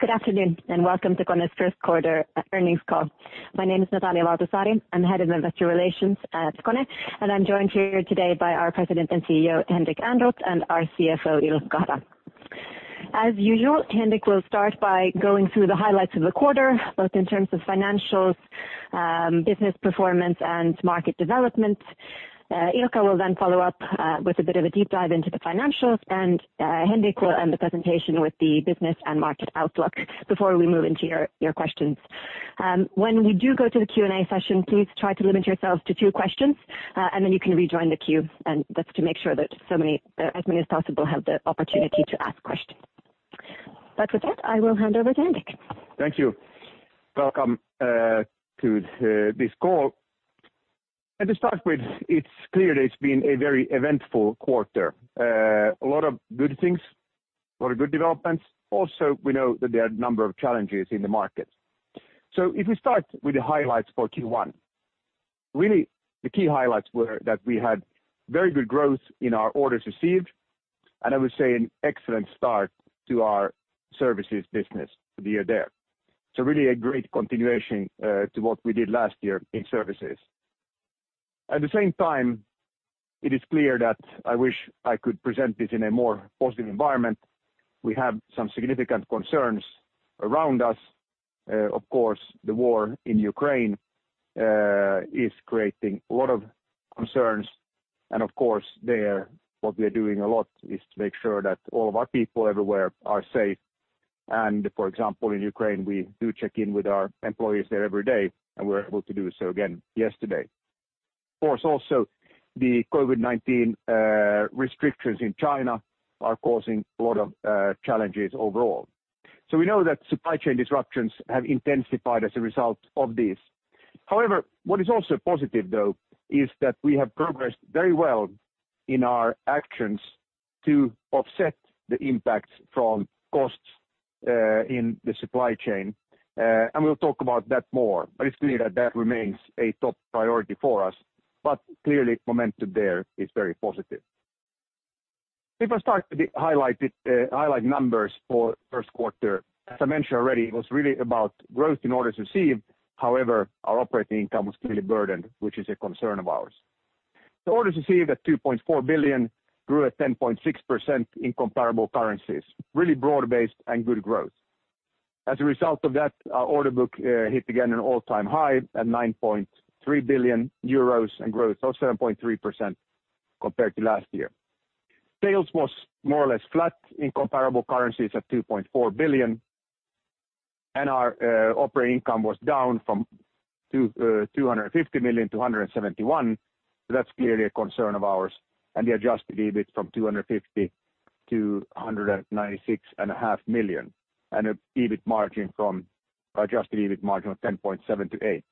Good afternoon, and welcome to KONE's first quarter earnings call. My name is Natalia Valtasaari. I'm the Head of Investor Relations at KONE. I'm joined here today by our President and CEO, Henrik Ehrnrooth, and our CFO, Ilkka Hara. As usual, Henrik will start by going through the highlights of the quarter both in terms of financials business performance and market development. Ilkka will then follow up with a bit of a deep dive into the financials. Henrik will end the presentation with the business and market outlook before we move into your questions. When we do go to the Q&A session, please try to limit yourself to two questions, and then you can rejoin the queue. That's to make sure that as many as possible have the opportunity to ask questions. With that, I will hand over to Henrik. Thank you. Welcome to this call. To start with, it's clear it's been a very eventful quarter. A lot of good things, a lot of good developments. Also, we know that there are a number of challenges in the market. If we start with the highlights for Q1. Really the key highlights were that we had very good growth in our orders received and I would say an excellent start to our services business the year there. Really a great continuation to what we did last year in services. At the same time, it is clear that I wish I could present this in a more positive environment. We have some significant concerns around us. Of course, the war in Ukraine is creating a lot of concerns. Of course, there, what we're doing a lot is to make sure that all of our people everywhere are safe. For example, in Ukraine, we do check in with our employees there every day and we were able to do so again yesterday. Of course, also the COVID-19 restrictions in China are causing a lot of challenges overall. We know that supply chain disruptions have intensified as a result of this. However, what is also positive though is that we have progressed very well in our actions to offset the impact from costs in the supply chain. We'll talk about that more. It's clear that that remains a top priority for us. Clearly momentum there is very positive. If I start with the highlighted numbers for first quarter. As I mentioned already it was really about growth in orders received. However, our operating income was clearly burdened which is a concern of ours. Orders received at 2.4 billion grew at 10.6% in comparable currencies, really broad-based and good growth. As a result of that, our order book hit again an all-time high at 9.3 billion euros and growth of 7.3% compared to last year. Sales was more or less flat in comparable currencies at 2.4 billion. Our operating income was down from 250 million-171 million. That's clearly a concern of ours. Adjusted EBIT from 250 million-196.5 million. Adjusted EBIT margin from 10.7%- 8%.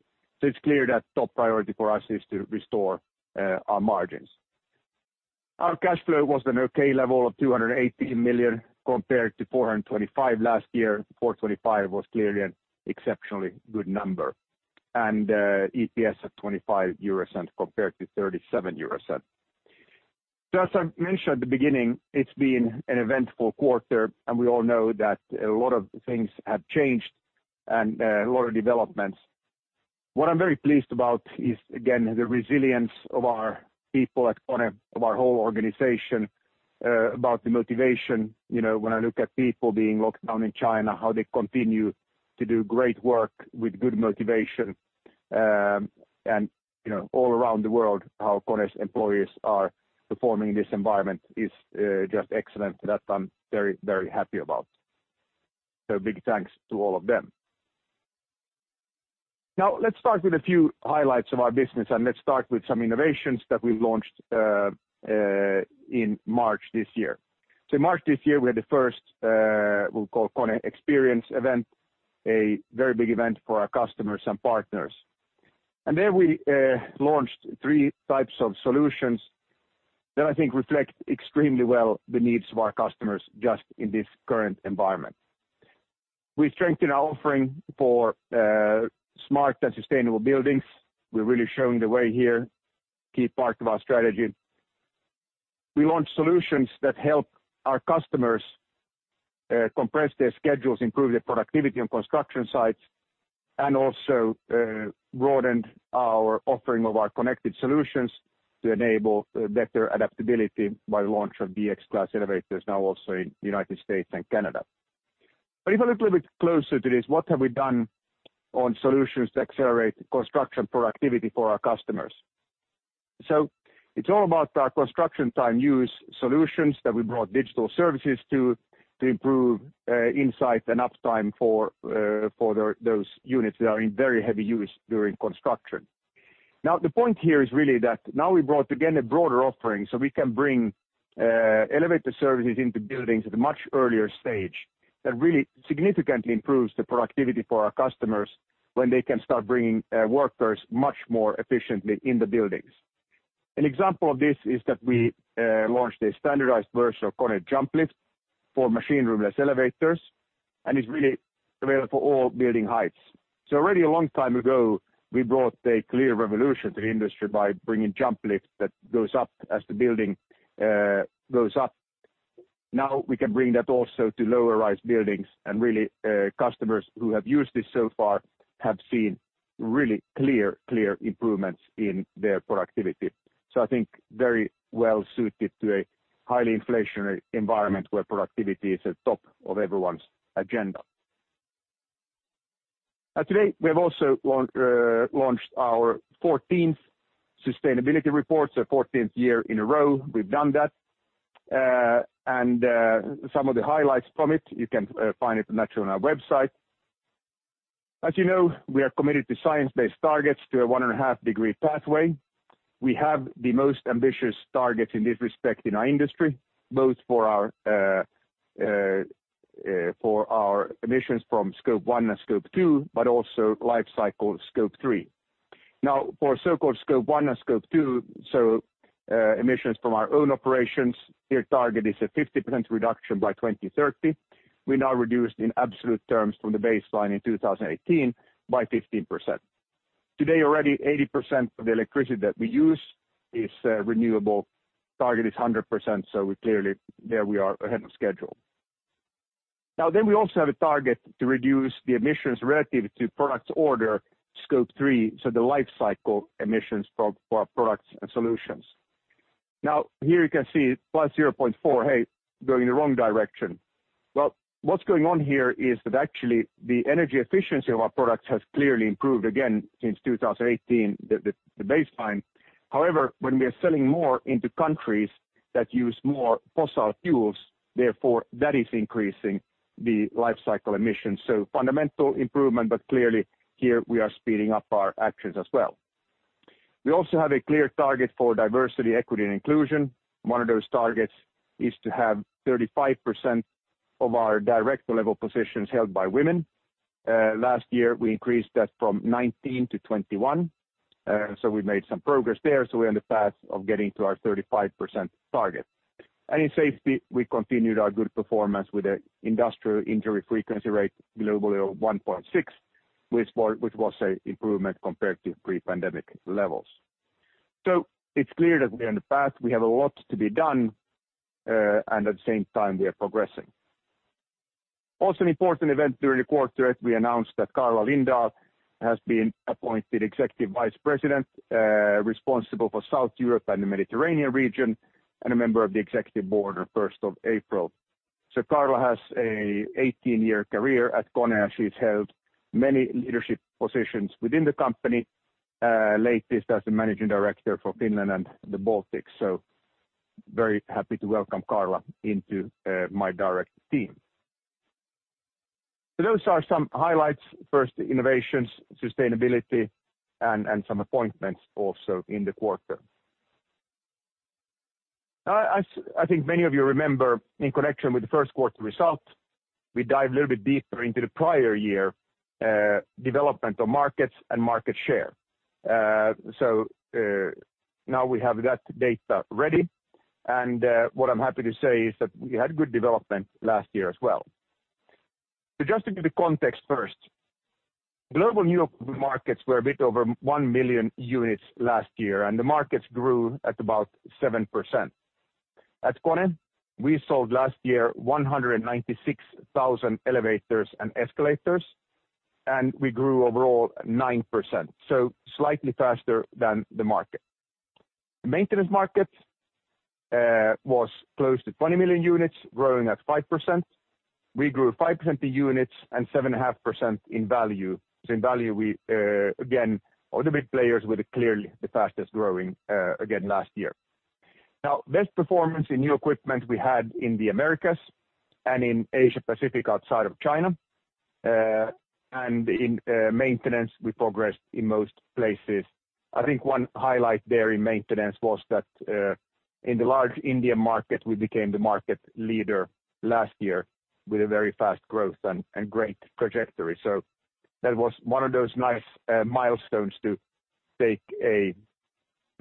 It's clear that top priority for us is to restore our margins. Our cash flow was an okay level of 218 million compared to 425 million last year. 425 million was clearly an exceptionally good number. EPS of 0.25 compared to 0.37. As I mentioned at the beginning, it's been an eventful quarter and we all know that a lot of things have changed and a lot of developments. What I'm very pleased about is again the resilience of our people at KONE of our whole organization about the motivation. You know, when I look at people being locked down in China how they continue to do great work with good motivation. You know, all around the world, how KONE's employees are performing in this environment is just excellent. That I'm very, very happy about. Big thanks to all of them. Now, let's start with a few highlights of our business, and let's start with some innovations that we launched in March this year. In March this year, we had the first KONE Experience event, a very big event for our customers and partners. There we launched three types of solutions that I think reflect extremely well the needs of our customers just in this current environment. We strengthened our offering for smart and sustainable buildings. We're really showing the way here, key part of our strategy. We launched solutions that help our customers compress their schedules improve their productivity on construction sites and also, broadened our offering of our connected solutions to enable better adaptability by launch of DX Class elevators now also in the United States and Canada. If a little bit closer to this, what have we done on solutions to accelerate construction productivity for our customers? It's all about our construction time use solutions that we brought digital services to improve insight and uptime for those units that are in very heavy use during construction. Now, the point here is really that now we brought again a broader offering, so we can bring elevator services into buildings at a much earlier stage that really significantly improves the productivity for our customers when they can start bringing workers much more efficiently in the buildings. An example of this is that we launched a standardized version of KONE JumpLift for machine room less elevators, and it is really available for all building heights. Already a long time ago, we brought a clear revolution to the industry by bringing jump lifts that goes up as the building goes up. Now we can bring that also to lower rise buildings and really customers who have used this so far have seen really clear improvements in their productivity. I think very well suited to a highly inflationary environment where productivity is at top of everyone's agenda. Today we have also launched our fourteenth sustainability report. Fourteenth year in a row we've done that. Some of the highlights from it you can find it naturally on our website. As you know, we are committed to science-based targets to a 1.5-degree pathway. We have the most ambitious targets in this respect in our industry, both for our emissions from Scope one and Scope two, but also life cycle Scope three. Now, for so-called Scope one and Scope two, emissions from our own operations, their target is a 50% reduction by 2030. We now reduced in absolute terms from the baseline in 2018 by 15%. Today, already 80% of the electricity that we use is renewable. Target is 100%, so we clearly are ahead of schedule. Now, we also have a target to reduce the emissions relative to product orders, Scope three, so the life cycle emissions for our products and solutions. Now, here you can see +0.4%, going the wrong direction. Well, what's going on here is that actually the energy efficiency of our products has clearly improved again since 2018, the baseline. However, when we are selling more into countries that use more fossil fuels, therefore that is increasing the life cycle emissions. Fundamental improvement, but clearly here we are speeding up our actions as well. We also have a clear target for diversity, equity, and inclusion. One of those targets is to have 35% of our director level positions held by women. Last year, we increased that from 19% to 21%. We made some progress there so we're on the path of getting to our 35% target. In safety, we continued our good performance with an industrial injury frequency rate globally of 1.6% which was an improvement compared to pre-pandemic levels. It's clear that we're on the path. We have a lot to do, and at the same time we are progressing. An important event during the quarter, we announced that Karla Lindahl has been appointed Executive Vice President, responsible for South Europe and the Mediterranean region, and a member of the executive board on April 1. Karla has an 18-year career at KONE. She's held many leadership positions within the company, latest as the Managing Director for Finland and the Baltics. Very happy to welcome Karla into my direct team. Those are some highlights. First, innovations, sustainability, and some appointments also in the quarter. Now I think many of you remember in connection with the first quarter results, we dived a little bit deeper into the prior year development of markets and market share. Now we have that data ready and what I'm happy to say is that we had good development last year as well. Just to give you context first. Global new equipment markets were a bit over 1 million units last year and the markets grew at about 7%. At KONE, we sold last year 196,000 elevators and escalators and we grew overall 9%, so slightly faster than the market. The maintenance market was close to 20 million units, growing at 5%. We grew 5% in units and 7.5% in value. In value, we again all the big players were clearly the fastest growing again last year. Now, best performance in new equipment we had in the Americas and in Asia Pacific outside of China. In maintenance, we progressed in most places. I think one highlight there in maintenance was that in the large India market, we became the market leader last year with a very fast growth and great trajectory. That was one of those nice milestones to take a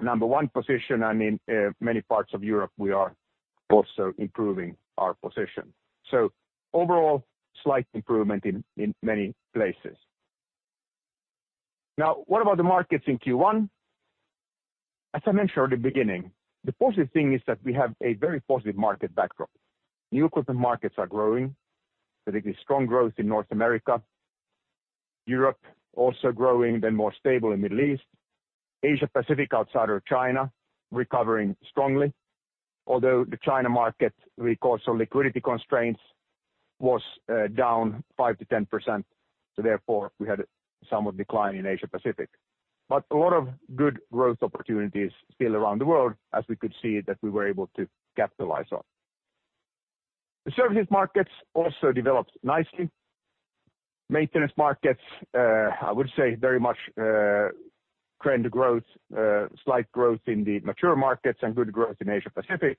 number one position. In many parts of Europe, we are also improving our position. Overall, slight improvement in many places. Now, what about the markets in Q1? As I mentioned at the beginning, the positive thing is that we have a very positive market backdrop. New equipment markets are growing. Particularly strong growth in North America. Europe also growing then more stable in Middle East. Asia Pacific outside of China recovering strongly. Although the China market we saw some liquidity constraints was down 5%-10% so therefore we had somewhat decline in Asia Pacific. But a lot of good growth opportunities still around the world as we could see that we were able to capitalize on. The services markets also developed nicely. Maintenance markets, I would say very much trend growth, slight growth in the mature markets and good growth in Asia Pacific.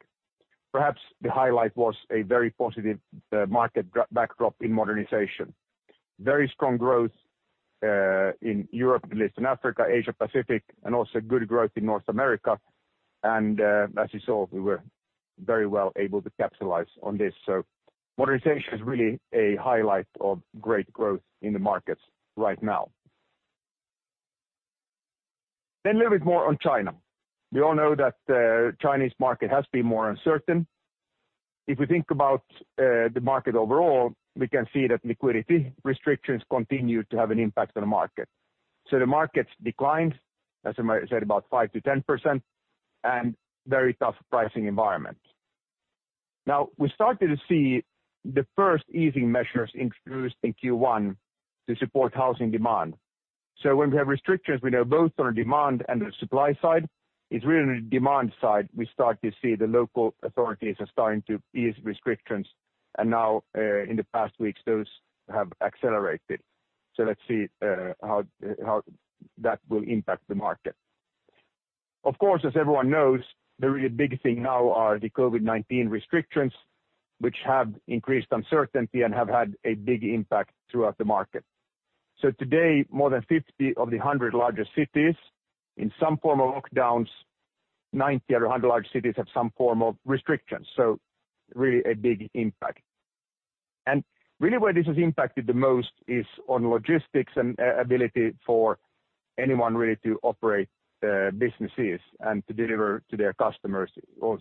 Perhaps the highlight was a very positive market backdrop in modernization. Very strong growth in Europe, Middle East, and Africa, Asia Pacific, and also good growth in North America. As you saw, we were very well able to capitalize on this. Modernization is really a highlight of great growth in the markets right now. A little bit more on China. We all know that the Chinese market has been more uncertain. If we think about the market overall, we can see that liquidity restrictions continue to have an impact on the market. The markets declined as I said, about 5%-10% and very tough pricing environment. We started to see the first easing measures introduced in Q1 to support housing demand. When we have restrictions we know both on demand and the supply side. It's really the demand side we start to see the local authorities are starting to ease restrictions. Now, in the past weeks, those have accelerated. Let's see how that will impact the market. Of course as everyone knows, the really big thing now are the COVID-19 restrictions which have increased uncertainty and have had a big impact throughout the market. Today more than 50 of the 100 largest cities in some form of lockdowns, 90 or 100 large cities have some form of restrictions. Really a big impact. Really where this has impacted the most is on logistics and ability for anyone really to operate businesses and to deliver to their customers,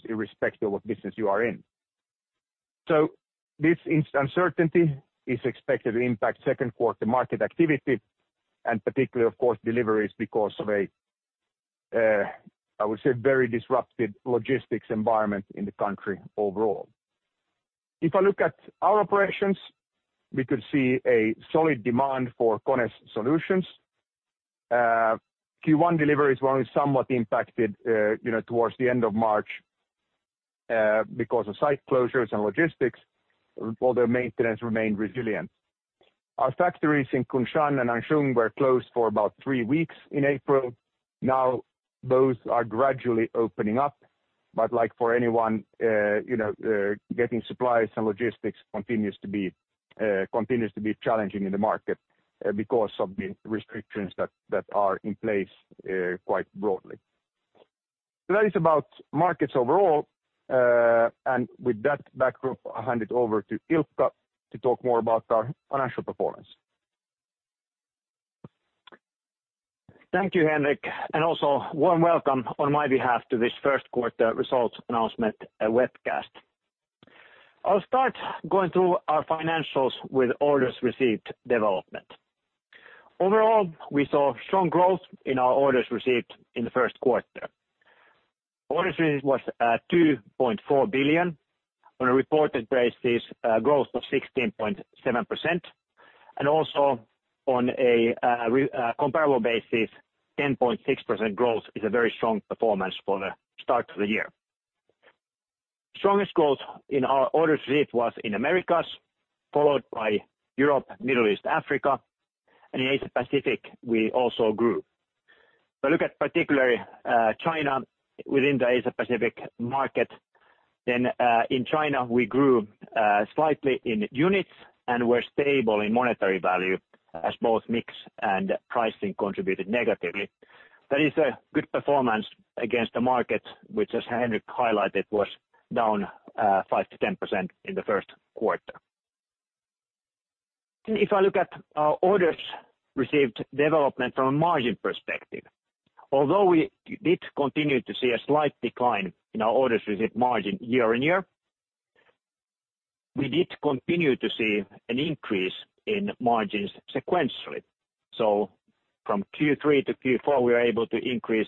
irrespective of what business you are in. This uncertainty is expected to impact second quarter market activity and particularly of course deliveries because of a very disrupted logistics environment in the country overall. If I look at our operations, we could see a solid demand for KONE's solutions. Q1 deliveries were only somewhat impacted you know, towards the end of March, because of site closures and logistics, although maintenance remained resilient. Our factories in Kunshan and Nanxun were closed for about three weeks in April. Now, those are gradually opening up. Like for anyone, you know, getting supplies and logistics continues to be challenging in the market because of the restrictions that are in place quite broadly. That is about markets overall. With that backdrop, I'll hand it over to Ilkka to talk more about our financial performance. Thank you, Henrik. Also warm welcome on my behalf to this first quarter results announcement webcast. I'll start going through our financials with orders received development. Overall, we saw strong growth in our orders received in the first quarter. Orders received was at 2.4 billion on a reported basis, growth of 16.7%, and also on a comparable basis 10.6% growth is a very strong performance for the start of the year. Strongest growth in our orders received was in Americas followed by Europe, Middle East, Africa, and in Asia Pacific, we also grew. If I look at particularly China within the Asia Pacific market, then in China we grew slightly in units and were stable in monetary value as both mix and pricing contributed negatively. That is a good performance against the market, which as Henrik highlighted was down 5%-10% in the first quarter. If I look at our orders received development from a margin perspective. Although we did continue to see a slight decline in our orders received margin year-on-year. We did continue to see an increase in margins sequentially. From Q3 to Q4 we were able to increase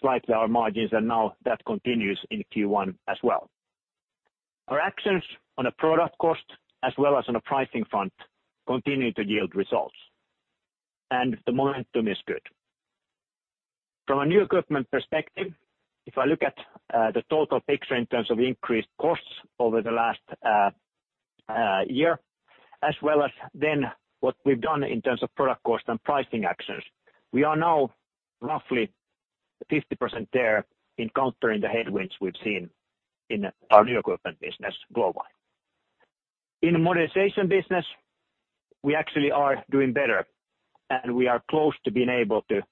slightly our margins and now that continues in Q1 as well. Our actions on a product cost as well as on a pricing front continue to yield results and the momentum is good. From a new equipment perspective if I look at the total picture in terms of increased costs over the last year as well as then what we've done in terms of product cost and pricing actions we are now roughly 50% there in countering the headwinds we've seen in our new equipment business globally. In the modernization business, we actually are doing better and we are close to being able to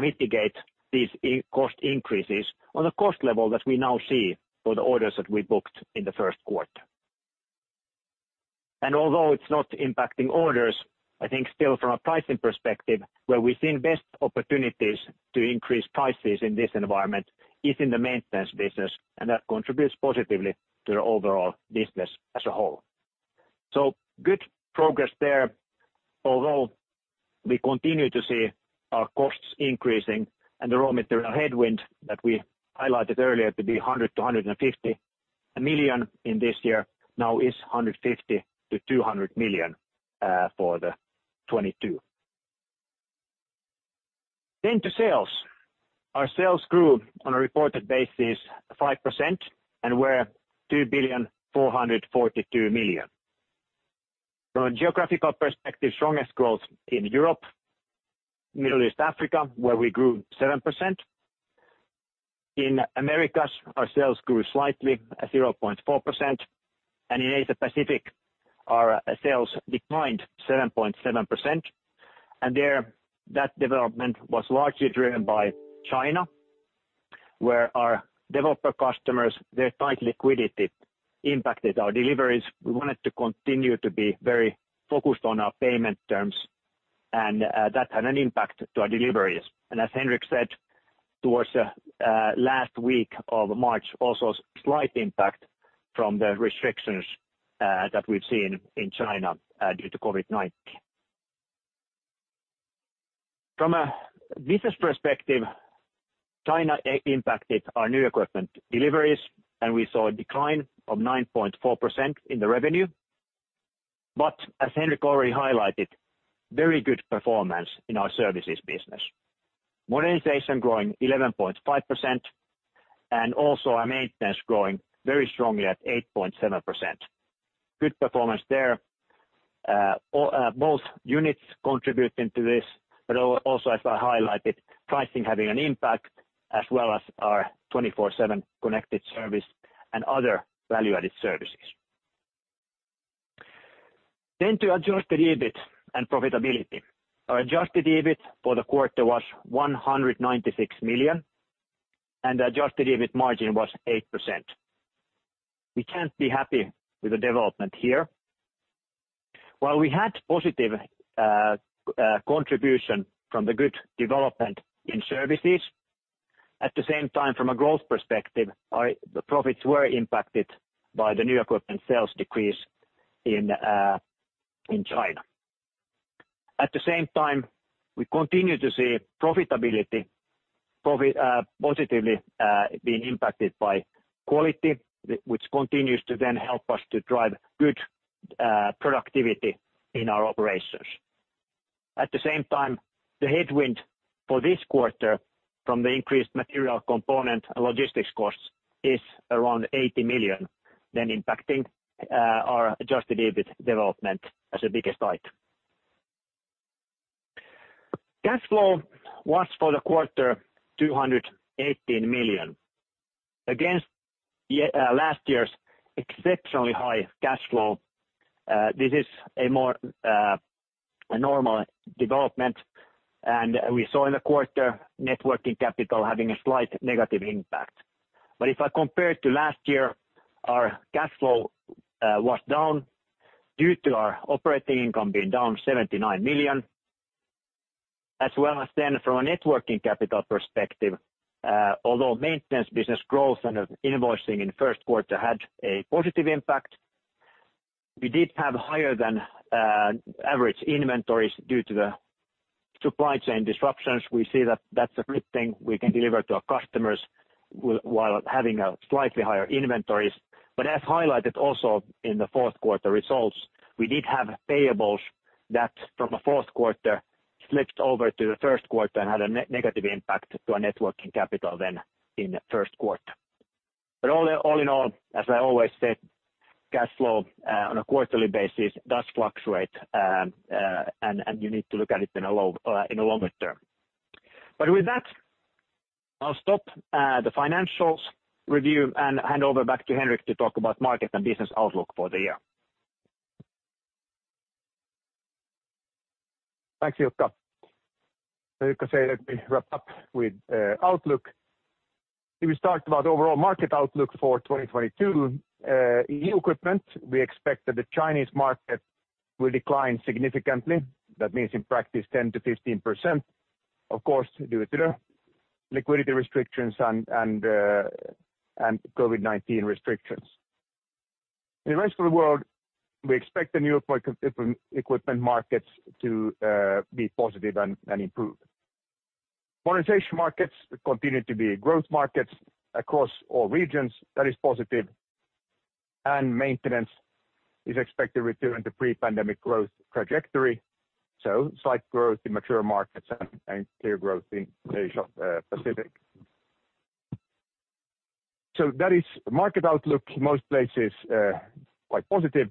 mitigate these cost increases on a cost level that we now see for the orders that we booked in the first quarter. Although it's not impacting orders I think still from a pricing perspective where we've seen best opportunities to increase prices in this environment is in the maintenance business, and that contributes positively to the overall business as a whole. Good progress there. Although we continue to see our costs increasing and the raw material headwind that we highlighted earlier to be 100 million-150 million in this year now is 150 million-200 million for 2022. To sales. Our sales grew on a reported basis 5% and were 2,442 million. From a geographical perspective strongest growth in Europe, Middle East, Africa, where we grew 7%. In Americas our sales grew slightly at 0.4%. In Asia Pacific, our sales declined 7.7%. There, that development was largely driven by China, where our developer customers their tight liquidity impacted our deliveries. We wanted to continue to be very focused on our payment terms and that had an impact to our deliveries. As Henrik said, towards last week of March, also slight impact from the restrictions that we've seen in China due to COVID-19. From a business perspective, China impacted our new equipment deliveries and we saw a decline of 9.4% in the revenue. As Henrik already highlighted very good performance in our services business. Modernization growing 11.5%, and also our maintenance growing very strongly at 8.7%. Good performance there. Both units contributing to this but also as I highlighted pricing having an impact as well as our 24/7 connected service and other value-added services. To Adjusted EBIT and profitability. Our Adjusted EBIT for the quarter was 196 million, and the adjusted EBIT margin was 8%. We can't be happy with the development here. While we had positive contribution from the good development in services, at the same time from a growth perspective the profits were impacted by the new equipment sales decrease in China. At the same time we continue to see profitability positively being impacted by quality which continues to then help us to drive good productivity in our operations. At the same time the headwind for this quarter from the increased material component logistics cost is around 80 million, then impacting our Adjusted EBIT development as the biggest item. Cash flow was for the quarter 218 million. Against last year's exceptionally high cash flow, this is a more normal development. We saw in the quarter, net working capital having a slight negative impact. If I compare to last year, our cash flow was down due to our operating income being down 79 million as well as then from a working capital perspective although maintenance business growth and invoicing in first quarter had a positive impact we did have higher than average inventories due to the supply chain disruptions. We see that that's a good thing we can deliver to our customers while having slightly higher inventories. As highlighted also in the fourth quarter results, we did have payables that from the fourth quarter slipped over to the first quarter and had a negative impact to our working capital than in the first quarter. All in all, as I always said, cash flow on a quarterly basis does fluctuate, and you need to look at it in a longer term. With that, I'll stop the financials review and hand over back to Henrik to talk about market and business outlook for the year. Thanks Ilkka. Ilkka said let me wrap up with outlook. If we start about overall market outlook for 2022 in new equipment we expect that the Chinese market will decline significantly. That means in practice 10%-15%, of course due to the liquidity restrictions and COVID-19 restrictions. In the rest of the world we expect the new equipment markets to be positive and improve. Modernization markets continue to be growth markets across all regions. That is positive. Maintenance is expected to return to pre-pandemic growth trajectory. Slight growth in mature markets and clear growth in Asia Pacific. That is market outlook. Most places quite positive.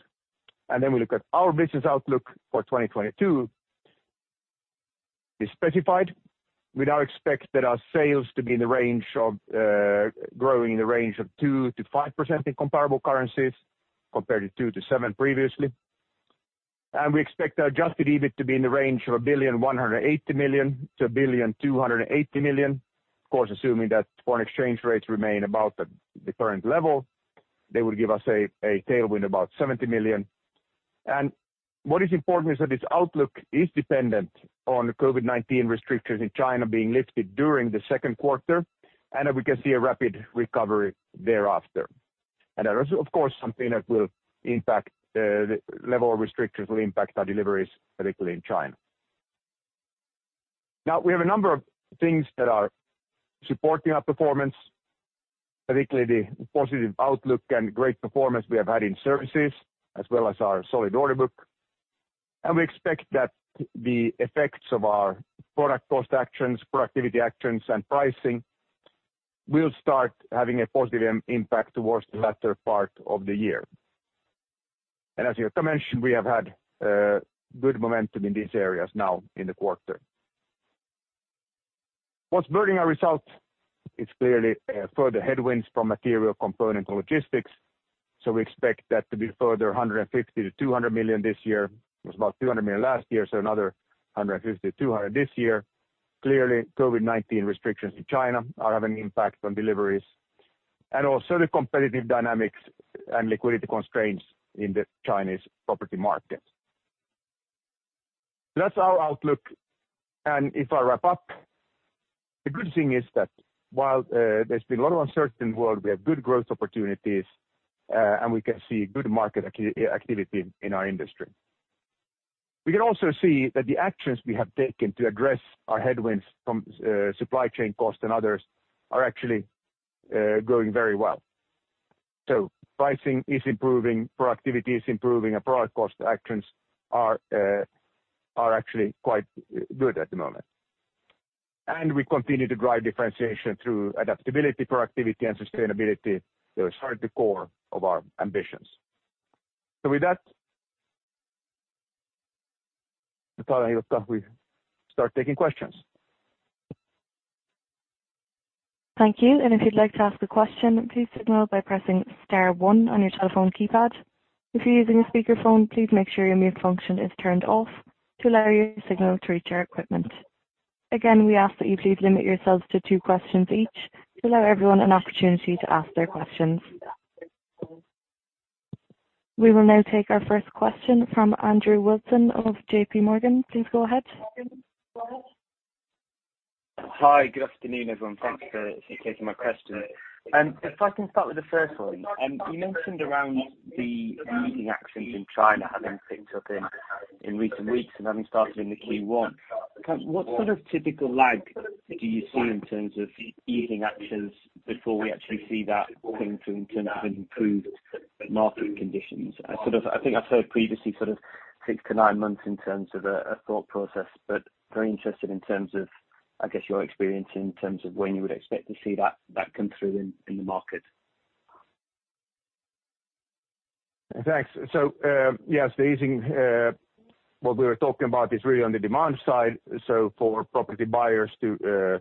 We look at our business outlook for 2022 is specified. We now expect our sales to be growing 2%-5% in comparable currencies, compared to 2%-7% previously. We expect our Adjusted EBIT to be in the range of 1,180 million-1,280 million. Of course, assuming that foreign exchange rates remain about the current level they will give us a tailwind about 70 million. What is important is that this outlook is dependent on COVID-19 restrictions in China being lifted during the second quarter and that we can see a rapid recovery thereafter. That is of course something that the level of restrictions will impact our deliveries, particularly in China. Now we have a number of things that are supporting our performance particularly the positive outlook and great performance we have had in services as well as our solid order book. We expect that the effects of our product cost actions productivity actions and pricing will start having a positive impact towards the latter part of the year. As you have mentioned, we have had good momentum in these areas now in the quarter. What's burdening our results? It's clearly further headwinds from material components and logistics. We expect that to be further 150million-EUR200 million this year. It was about 200 million last year so another EUR 150millon-EUR 200 million this year. Clearly COVID-19 restrictions in China are having an impact on deliveries. Also the competitive dynamics and liquidity constraints in the Chinese property market. That's our outlook. If I wrap up, the good thing is that while there's been a lot of uncertainty in the world we have good growth opportunities and we can see good market activity in our industry. We can also see that the actions we have taken to address our headwinds from supply chain costs and others are actually going very well. Pricing is improving, productivity is improving our product cost actions are actually quite good at the moment. We continue to drive differentiation through adaptability, productivity, and sustainability. Those are at the core of our ambitions. With that, we start taking questions. Thank you. If you'd like to ask a question, please signal by pressing star one on your telephone keypad. If you're using a speakerphone, please make sure your mute function is turned off to allow your signal to reach our equipment. Again, we ask that you please limit yourselves to two questions each to allow everyone an opportunity to ask their questions. We will now take our first question from Andrew Wilson of JPMorgan. Please go ahead. Hi, good afternoon everyone. Thanks for taking my question. If I can start with the first one, you mentioned around the easing actions in China having picked up in recent weeks and having started in the Q1. What sort of typical lag do you see in terms of easing actions before we actually see that coming through in terms of improved market conditions? Sort of I think I've heard previously sort of six to nine months in terms of a thought process but very interested in terms of I guess, your experience in terms of when you would expect to see that come through in the market. Thanks. Yes. The easing what we were talking about is really on the demand side. For property buyers to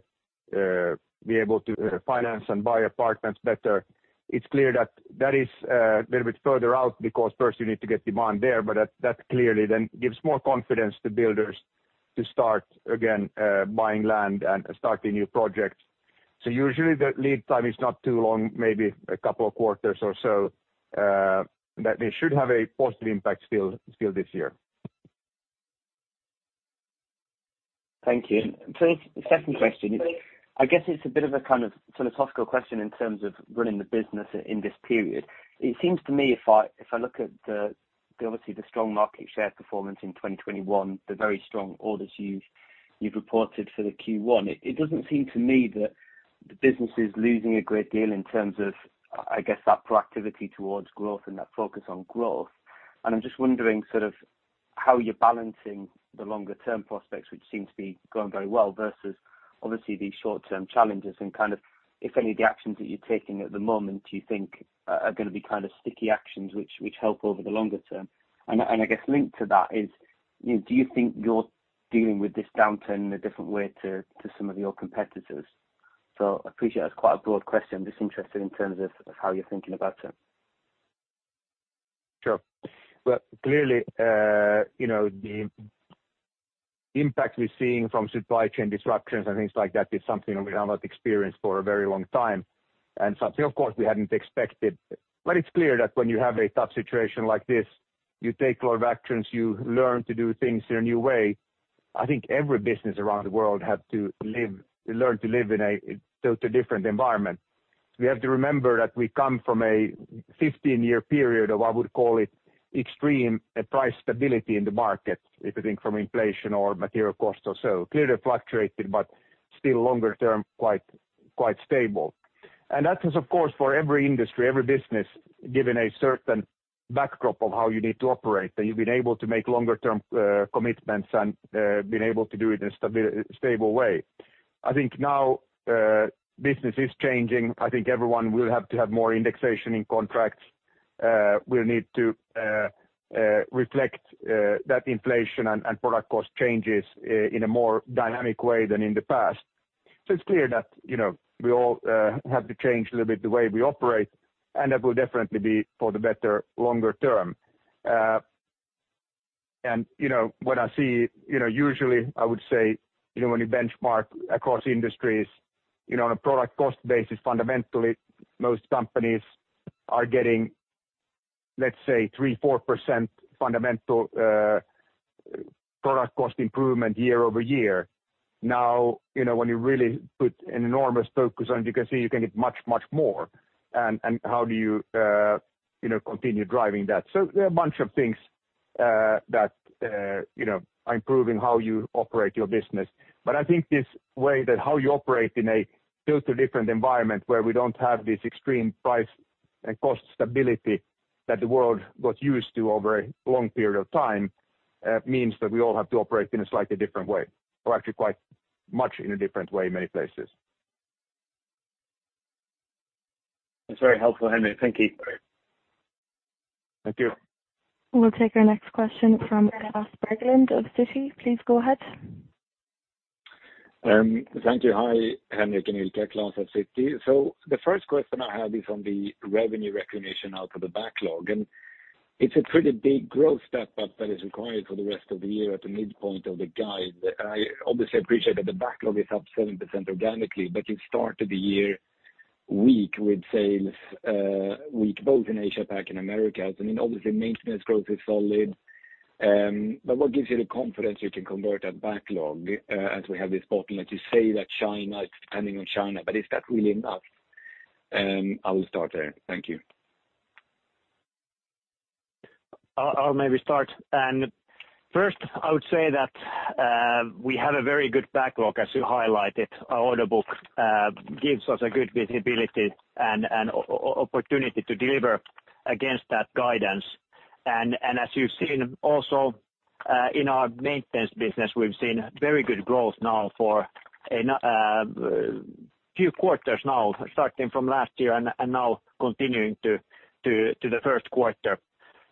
be able to finance and buy apartments better it's clear that that is a little bit further out because first you need to get demand there. That clearly then gives more confidence to builders to start again buying land and starting new projects. Usually the lead time is not too long maybe a couple of quarters or so that they should have a positive impact still this year. Thank you. Please second question. I guess it's a bit of a kind of philosophical question in terms of running the business in this period. It seems to me if I look at the, obviously the strong market share performance in 2021 the very strong orders you've reported for the Q1 it doesn't seem to me that the business is losing a great deal in terms of I guess, that proactivity towards growth and that focus on growth. I'm just wondering sort of how you're balancing the longer term prospects which seems to be going very well versus obviously these short-term challenges and kind of if any of the actions that you're taking at the moment you think are gonna be kind of sticky actions which help over the longer term. I guess linked to that is. Do you think you're dealing with this downturn in a different way to some of your competitors? I appreciate that's quite a broad question. Just interested in terms of how you're thinking about it. Sure. Well, clearly, you know, the impact we're seeing from supply chain disruptions and things like that is something we have not experienced for a very long time and something of course we hadn't expected. It's clear that when you have a tough situation like this you take a lot of actions you learn to do things in a new way. I think every business around the world had to learn to live in a totally different environment. We have to remember that we come from a 15-year period of I would call it extreme price stability in the market if you think from inflation or material costs or so. Clearly fluctuated but still longer term quite stable. That was of course for every industry, every business given a certain backdrop of how you need to operate that you've been able to make longer term commitments and been able to do it in a stable way. I think now business is changing. I think everyone will have to have more indexation in contracts. We'll need to reflect that inflation and product cost changes in a more dynamic way than in the past. It's clear that, you know, we all have to change a little bit the way we operate and that will definitely be for the better longer term. You know, when I see, you know, usually, I would say, you know, when you benchmark across industries, you know, on a product cost basis fundamentally most companies are getting let's say 3%-4% fundamental product cost improvement year-over-year. Now, you know, when you really put an enormous focus on it you can see you can get much much more. How do you know, continue driving that? There are a bunch of things you know improving how you operate your business. I think this way that how you operate in a totally different environment where we don't have this extreme price and cost stability that the world got used to over a long period of time means that we all have to operate in a slightly different way or actually quite much in a different way in many places. That's very helpful, Henrik. Thank you. Thank you. We'll take our next question from Klas Bergelind of Citi. Please go ahead. Thank you. Hi, Henrik and Ilkka. Klas at Citi. The first question I have is on the revenue recognition out of the backlog and it's a pretty big growth step up that is required for the rest of the year at the midpoint of the guide. I obviously appreciate that the backlog is up 7% organically, but you started the year weak with sales weak both in Asia-Pac and Americas. I mean, obviously maintenance growth is solid but what gives you the confidence you can convert that backlog as we have this bottom that you say that China it's depending on China but is that really enough? I will start there. Thank you. I'll maybe start. First, I would say that we have a very good backlog as you highlighted. Our order book gives us a good visibility and opportunity to deliver against that guidance. As you've seen also in our maintenance business, we've seen very good growth now for a few quarters now, starting from last year and now continuing to the first quarter.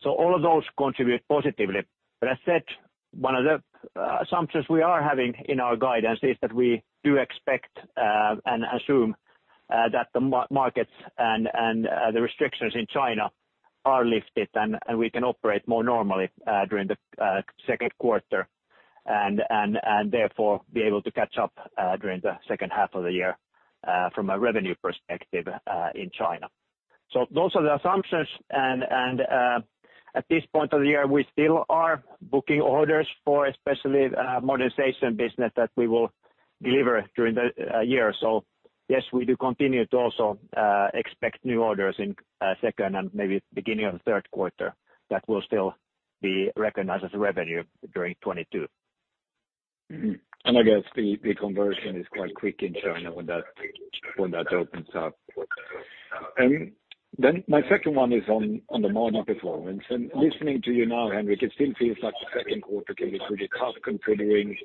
All of those contribute positively. As said, one of the assumptions we are having in our guidance is that we do expect and assume that the markets and the restrictions in China are lifted and we can operate more normally during the second quarter and therefore be able to catch up during the second half of the year from a revenue perspective in China. Those are the assumptions and at this point of the year we still are booking orders for especially modernization business that we will deliver during the year. Yes. We do continue to also expect new orders in second and maybe beginning of the third quarter that will still be recognized as revenue during 2022. I guess the conversion is quite quick in China when that opens up. My second one is on the margin performance. Listening to you now, Henrik, it still feels like the second quarter can be pretty tough considering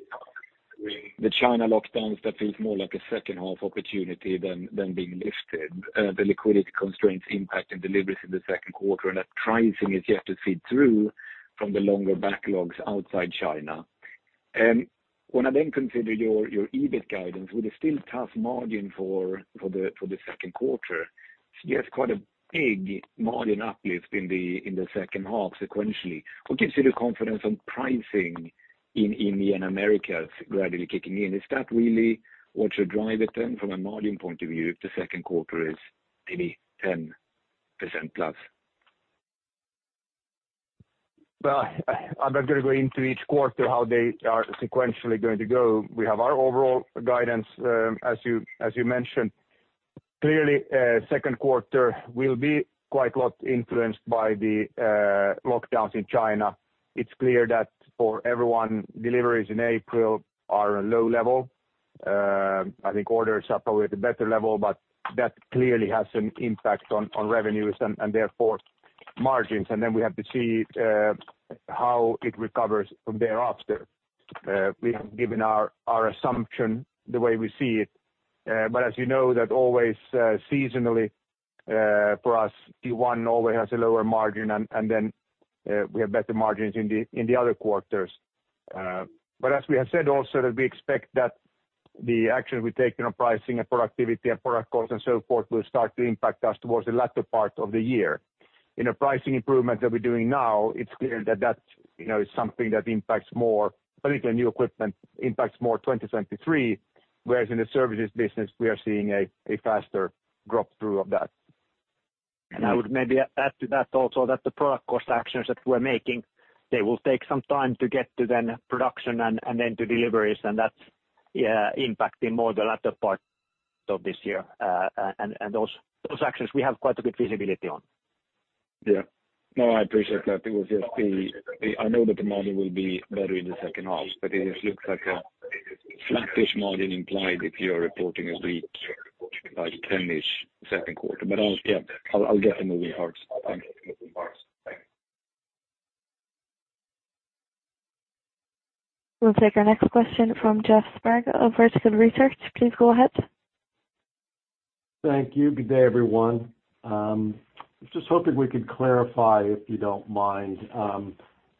the China lockdowns. That feels more like a second half opportunity than being lifted. The liquidity constraints impacting deliveries in the second quarter and that pricing is yet to feed through from the longer backlogs outside China. When I then consider your EBIT guidance with a still tough margin for the second quarter there's quite a big margin uplift in the second half sequentially. What gives you the confidence on pricing in India and Americas gradually kicking in? Is that really what should drive it then from a margin point of view if the second quarter is maybe 10%+? Well, I'm not gonna go into each quarter how they are sequentially going to go. We have our overall guidance as you mentioned. Clearly, second quarter will be quite a lot influenced by the lockdowns in China. It's clear that for everyone deliveries in April are low level. I think orders are probably at a better level but that clearly has an impact on revenues and therefore margins. We have to see how it recovers from thereafter. We have given our assumption the way we see it. But as you know, that always, seasonally for us Q1 always has a lower margin and then we have better margins in the other quarters. As we have said also that we expect that the actions we take in our pricing and productivity and product costs and so forth will start to impact us towards the latter part of the year. In the pricing improvement that we're doing now, it's clear that that you know is something that impacts more particularly new equipment impacts more 2023 whereas in the services business we are seeing a faster drop-through of that. I would maybe add to that also that the product cost actions that we're making they will take some time to get to then production and then to deliveries and that's yeah, impacting more the latter part of this year. Those actions we have quite a bit visibility on. Yeah. No, I appreciate that. It was just. I know that the margin will be better in the second half but it just looks like a flattish margin implied if you're reporting a weak, like 10-ish second quarter. Yeah, I'll get the moving parts. Thanks. We'll take our next question from Jeff Sprague of Vertical Research. Please go ahead. Thank you. Good day, everyone. Just hoping we could clarify if you don't mind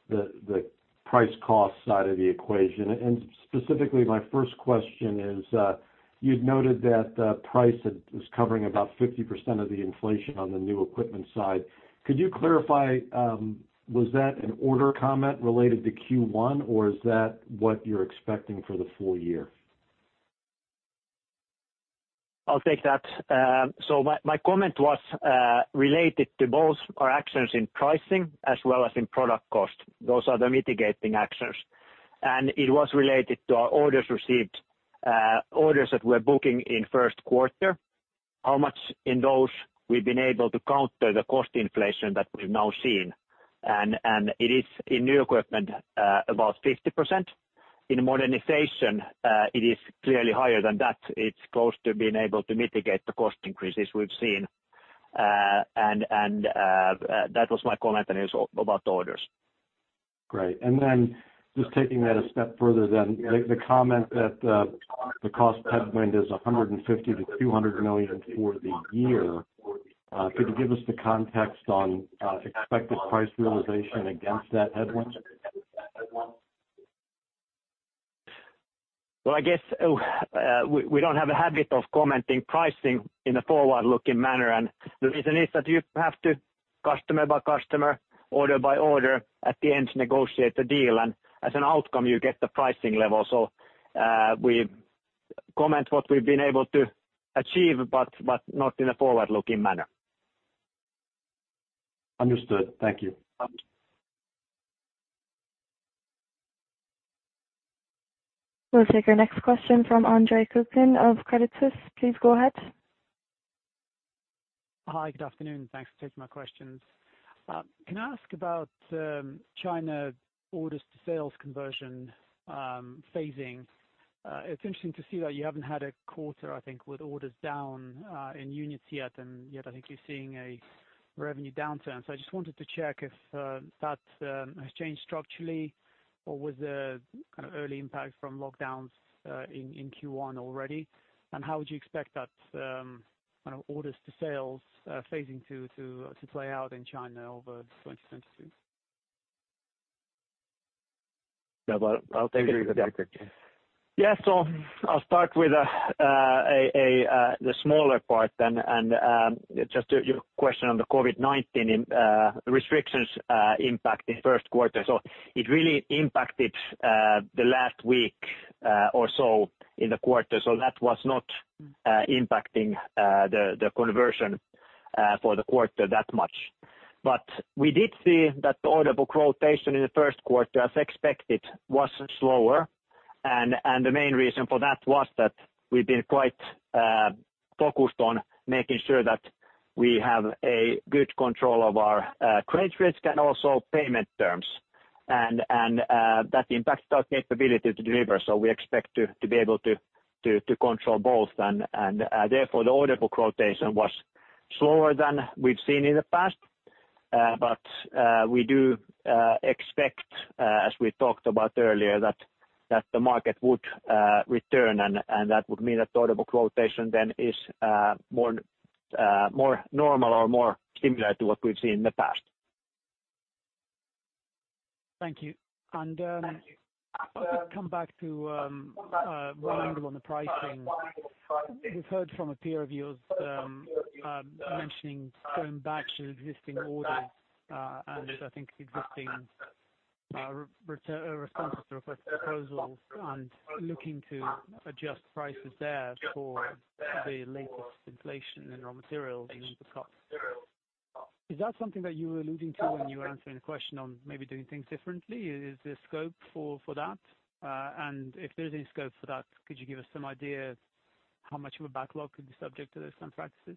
the price cost side of the equation. Specifically my first question is you'd noted that price is covering about 50% of the inflation on the new equipment side. Could you clarify was that an order comment related to Q1 or is that what you're expecting for the full year? I'll take that. So my comment was related to both our actions in pricing as well as in product cost. Those are the mitigating actions. It was related to our orders received orders that we're booking in first quarter how much in those we've been able to counter the cost inflation that we've now seen. It is in new equipment about 50%. In modernization, it is clearly higher than that. It's close to being able to mitigate the cost increases we've seen. That was my comment, and it's about the orders. Great. Just taking that a step further, the comment that the cost headwind is 150million-EUR200 million for the year. Could you give us the context on expected price realization against that headwind? Well, I guess, we don't have a habit of commenting pricing in a forward-looking manner. The reason is that you have to customer by customer, order by order at the end negotiate the deal, and as an outcome you get the pricing level. We comment what we've been able to achieve, but not in a forward-looking manner. Understood. Thank you. Um. We'll take our next question from Andre Kukhnin of Credit Suisse. Please go ahead. Hi. Good afternoon. Thanks for taking my questions. Can I ask about China orders to sales conversion phasing? It's interesting to see that you haven't had a quarter I think, with orders down in units yet and yet I think you're seeing a revenue downturn. I just wanted to check if that has changed structurally or was a kind of early impact from lockdowns in Q1 already? How would you expect that kind of orders to sales phasing to play out in China over 2022? Yeah, I'll take it. You can go. Yeah. Yeah. I'll start with the smaller part then and just to your question on the COVID-19 restrictions impact in the first quarter. It really impacted the last week or so in the quarter. That was not impacting the conversion for the quarter that much. We did see that the order book rotation in the first quarter as expected was slower. The main reason for that was that we've been quite focused on making sure that we have a good control of our credit risk and also payment terms. That impacts our capability to deliver. We expect to be able to control both. Therefore, the order book rotation was slower than we've seen in the past. We do expect as we talked about earlier that the market would return and that would mean that the order book rotation then is more normal or more similar to what we've seen in the past. Thank you. If I come back to one angle on the pricing. We've heard from a peer of yours mentioning going back to existing orders, and I think existing responses to request proposals and looking to adjust prices there for the latest inflation in raw materials and input costs. Is that something that you were alluding to when you were answering the question on maybe doing things differently? Is there scope for that? If there's any scope for that could you give us some idea how much of a backlog could be subject to those practices?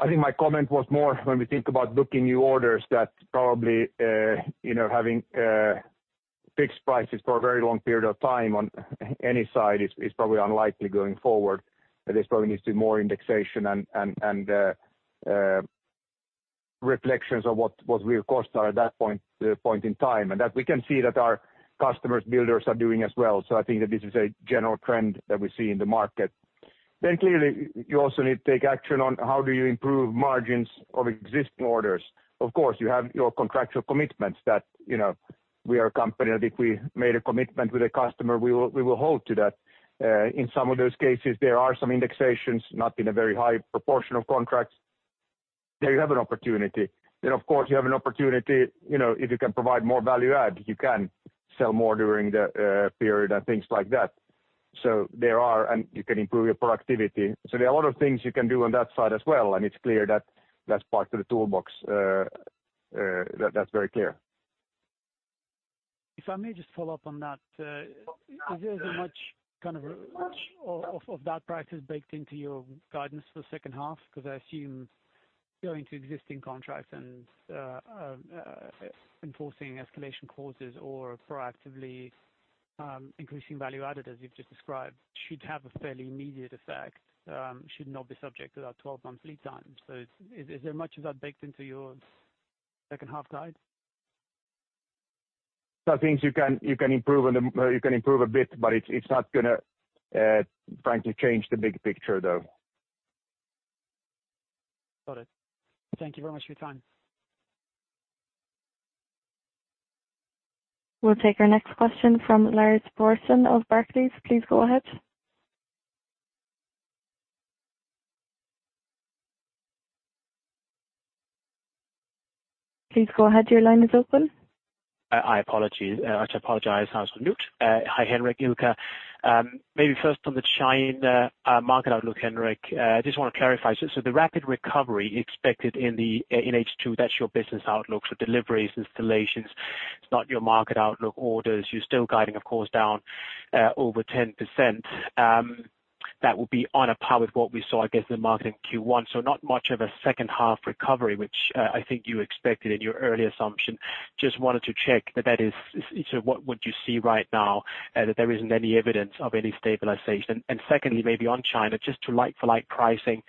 I think my comment was more when we think about booking new orders that probably you know, having fixed prices for a very long period of time on any side is probably unlikely going forward. There probably needs to be more indexation and reflections of what we of course are at that point in time. That we can see that our customers builders are doing as well. I think that this is a general trend that we see in the market. Clearly you also need to take action on how do you improve margins of existing orders. Of course, you have your contractual commitments that, you know, we are a company that if we made a commitment with a customer we will hold to that. In some of those cases there are some indexations not in a very high proportion of contracts. There you have an opportunity. Of course you have an opportunity, you know, if you can provide more value add, you can sell more during the period and things like that. You can improve your productivity. There are a lot of things you can do on that side as well, and it's clear that that's part of the toolbox. That's very clear. If I may just follow up on that. Is there as much of that practice baked into your guidance for the second half? Because I assume going to existing contracts and enforcing escalation clauses or proactively increasing value added, as you've just described, should have a fairly immediate effect, should not be subject to that 12-month lead time. Is there much of that baked into your second half guide? There are things you can improve a bit but it's not gonna frankly change the big picture though. Got it. Thank you very much for your time. We'll take our next question from Lars Brorson of Barclays. Please go ahead. Please go ahead, your line is open. I apologize. I was on mute. Hi, Henrik, Ilkka. Maybe first on the China market outlook, Henrik. I just wanna clarify. The rapid recovery expected in H2 that's your business outlook. Deliveries installations it's not your market outlook orders. You're still guiding of course down over 10% that will be on a par with what we saw I guess, in the market in Q1. Not much of a second half recovery which I think you expected in your early assumption. Just wanted to check that is sort of what you see right now that there isn't any evidence of any stabilization. Secondly, maybe on China just to like-for-like pricing. It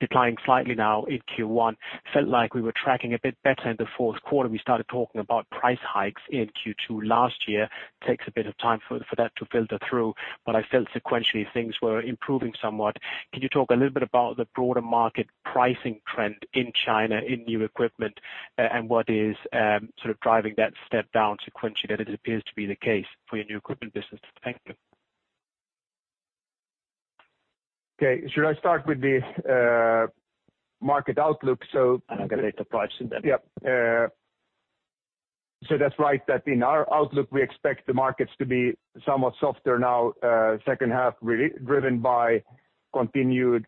declined slightly now in Q1. Felt like we were tracking a bit better in the fourth quarter. We started talking about price hikes in Q2 last year. Takes a bit of time for that to filter through but I felt sequentially things were improving somewhat. Can you talk a little bit about the broader market pricing trend in China in new equipment and what is sort of driving that step down sequentially that it appears to be the case for your new equipment business? Thank you. Okay. Should I start with the market outlook? I'll get into pricing then. Yep. That's right that in our outlook we expect the markets to be somewhat softer now, second half driven by continued,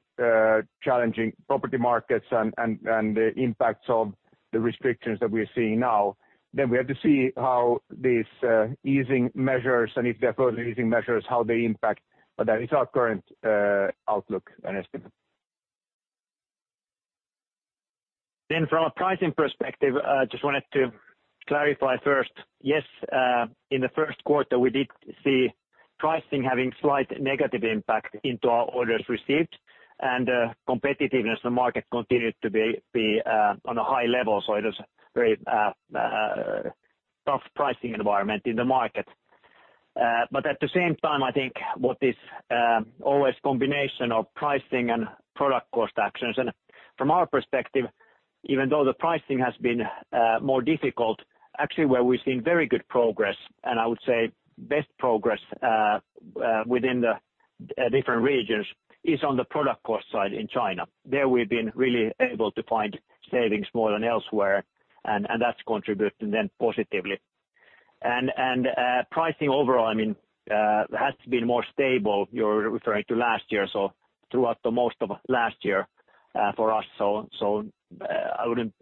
challenging property markets and the impacts of the restrictions that we're seeing now. We have to see how these easing measures, and if they're further easing measures, how they impact. That is our current outlook and estimate. From a pricing perspective I just wanted to clarify first. Yes. In the first quarter, we did see pricing having slight negative impact on our orders received and competitiveness in the market continued to be on a high level. It was very tough pricing environment in the market. But at the same time, I think what is always combination of pricing and product cost actions. From our perspective, even though the pricing has been more difficult, actually where we've seen very good progress, and I would say best progress within the different regions, is on the product cost side in China. There, we've been really able to find savings more than elsewhere, and pricing overall, I mean, has been more stable you're referring to last year, so throughout most of last year for us. I wouldn't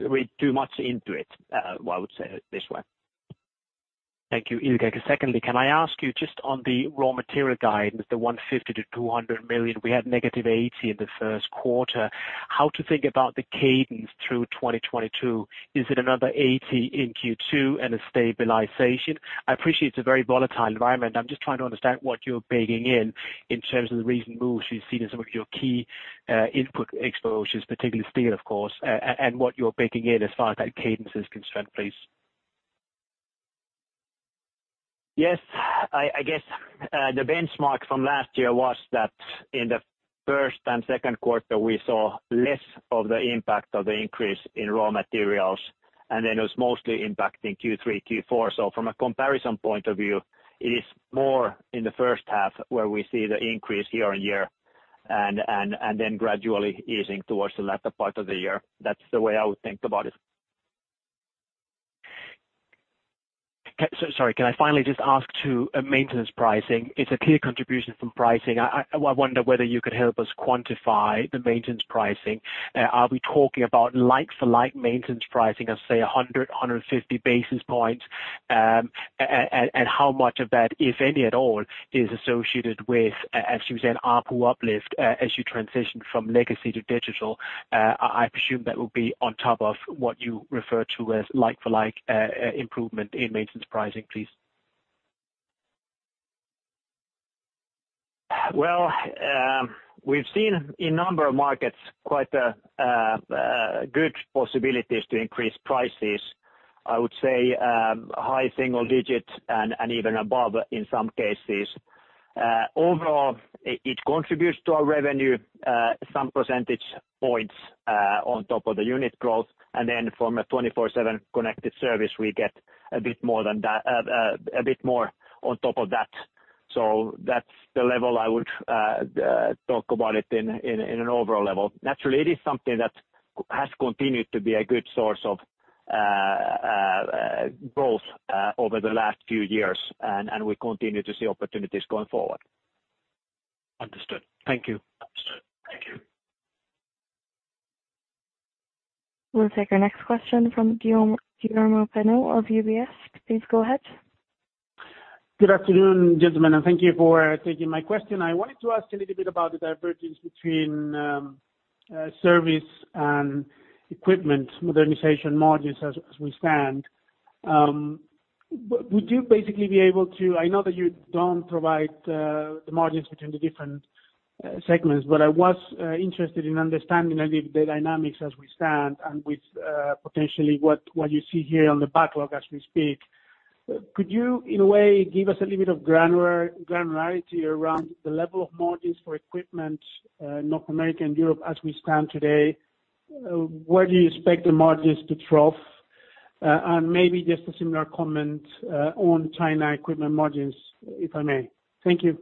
read too much into it, I would say it this way. Thank you, Ilkka. Secondly, can I ask you just on the raw material guidance, the 150 million-200 million, we had negative 80 million in the first quarter. How to think about the cadence through 2022? Is it another 80 million in Q2 and a stabilization? I appreciate it's a very volatile environment. I'm just trying to understand what you're baking in in terms of the recent moves you've seen in some of your key input exposures particularly steel of course and what you're baking in as far as that cadence is concerned. Please. Yes. I guess the benchmark from last year was that in the first and second quarter we saw less of the impact of the increase in raw materials and then it was mostly impacting Q3, Q4. From a comparison point of view, it is more in the first half where we see the increase year-on-year and then gradually easing towards the latter part of the year. That's the way I would think about it. Okay. Sorry, can I finally just ask to maintenance pricing? It's a clear contribution from pricing. I wonder whether you could help us quantify the maintenance pricing. Are we talking about like-for-like maintenance pricing of, say, 150 basis points? And how much of that if any at all is associated with, as you said, ARPU uplift as you transition from legacy to digital? I presume that will be on top of what you refer to as like-for-like improvement in maintenance pricing, please. Well, we've seen in a number of markets quite a good possibilities to increase prices. I would say high single digits% and even above in some cases. Overall, it contributes to our revenue some percentage points on top of the unit growth. Then from a 24/7 Connected Services, we get a bit more than that a bit more on top of that. That's the level I would talk about it in an overall level. Naturally, it is something that has continued to be a good source of growth over the last few years, and we continue to see opportunities going forward. Understood. Thank you. We'll take our next question from Guillermo Peigneux of UBS. Please go ahead. Good afternoon, gentlemen, and thank you for taking my question. I wanted to ask a little bit about the divergence between service and equipment modernization margins as we stand. I know that you don't provide the margins between the different segments, but I was interested in understanding a little bit the dynamics as we stand and with potentially what you see here on the backlog as we speak. Could you, in a way, give us a little bit of granularity around the level of margins for equipment North America and Europe as we stand today? Where do you expect the margins to trough? Maybe just a similar comment on China equipment margins, if I may. Thank you.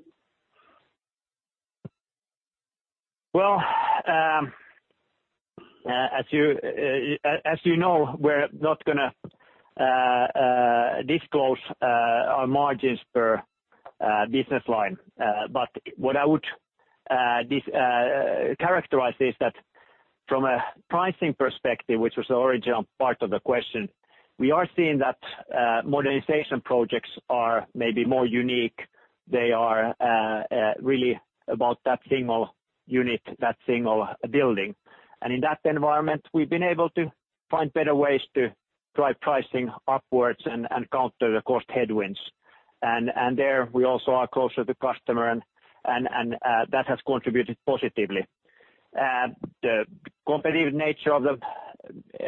Well, as you know, we're not gonna disclose our margins per business line. What I would characterize is that from a pricing perspective, which was the original part of the question, we are seeing that modernization projects are maybe more unique. They are really about that single unit, that single building. In that environment, we've been able to find better ways to drive pricing upwards and counter the cost headwinds. There we also are closer to customer and that has contributed positively. The competitive nature of the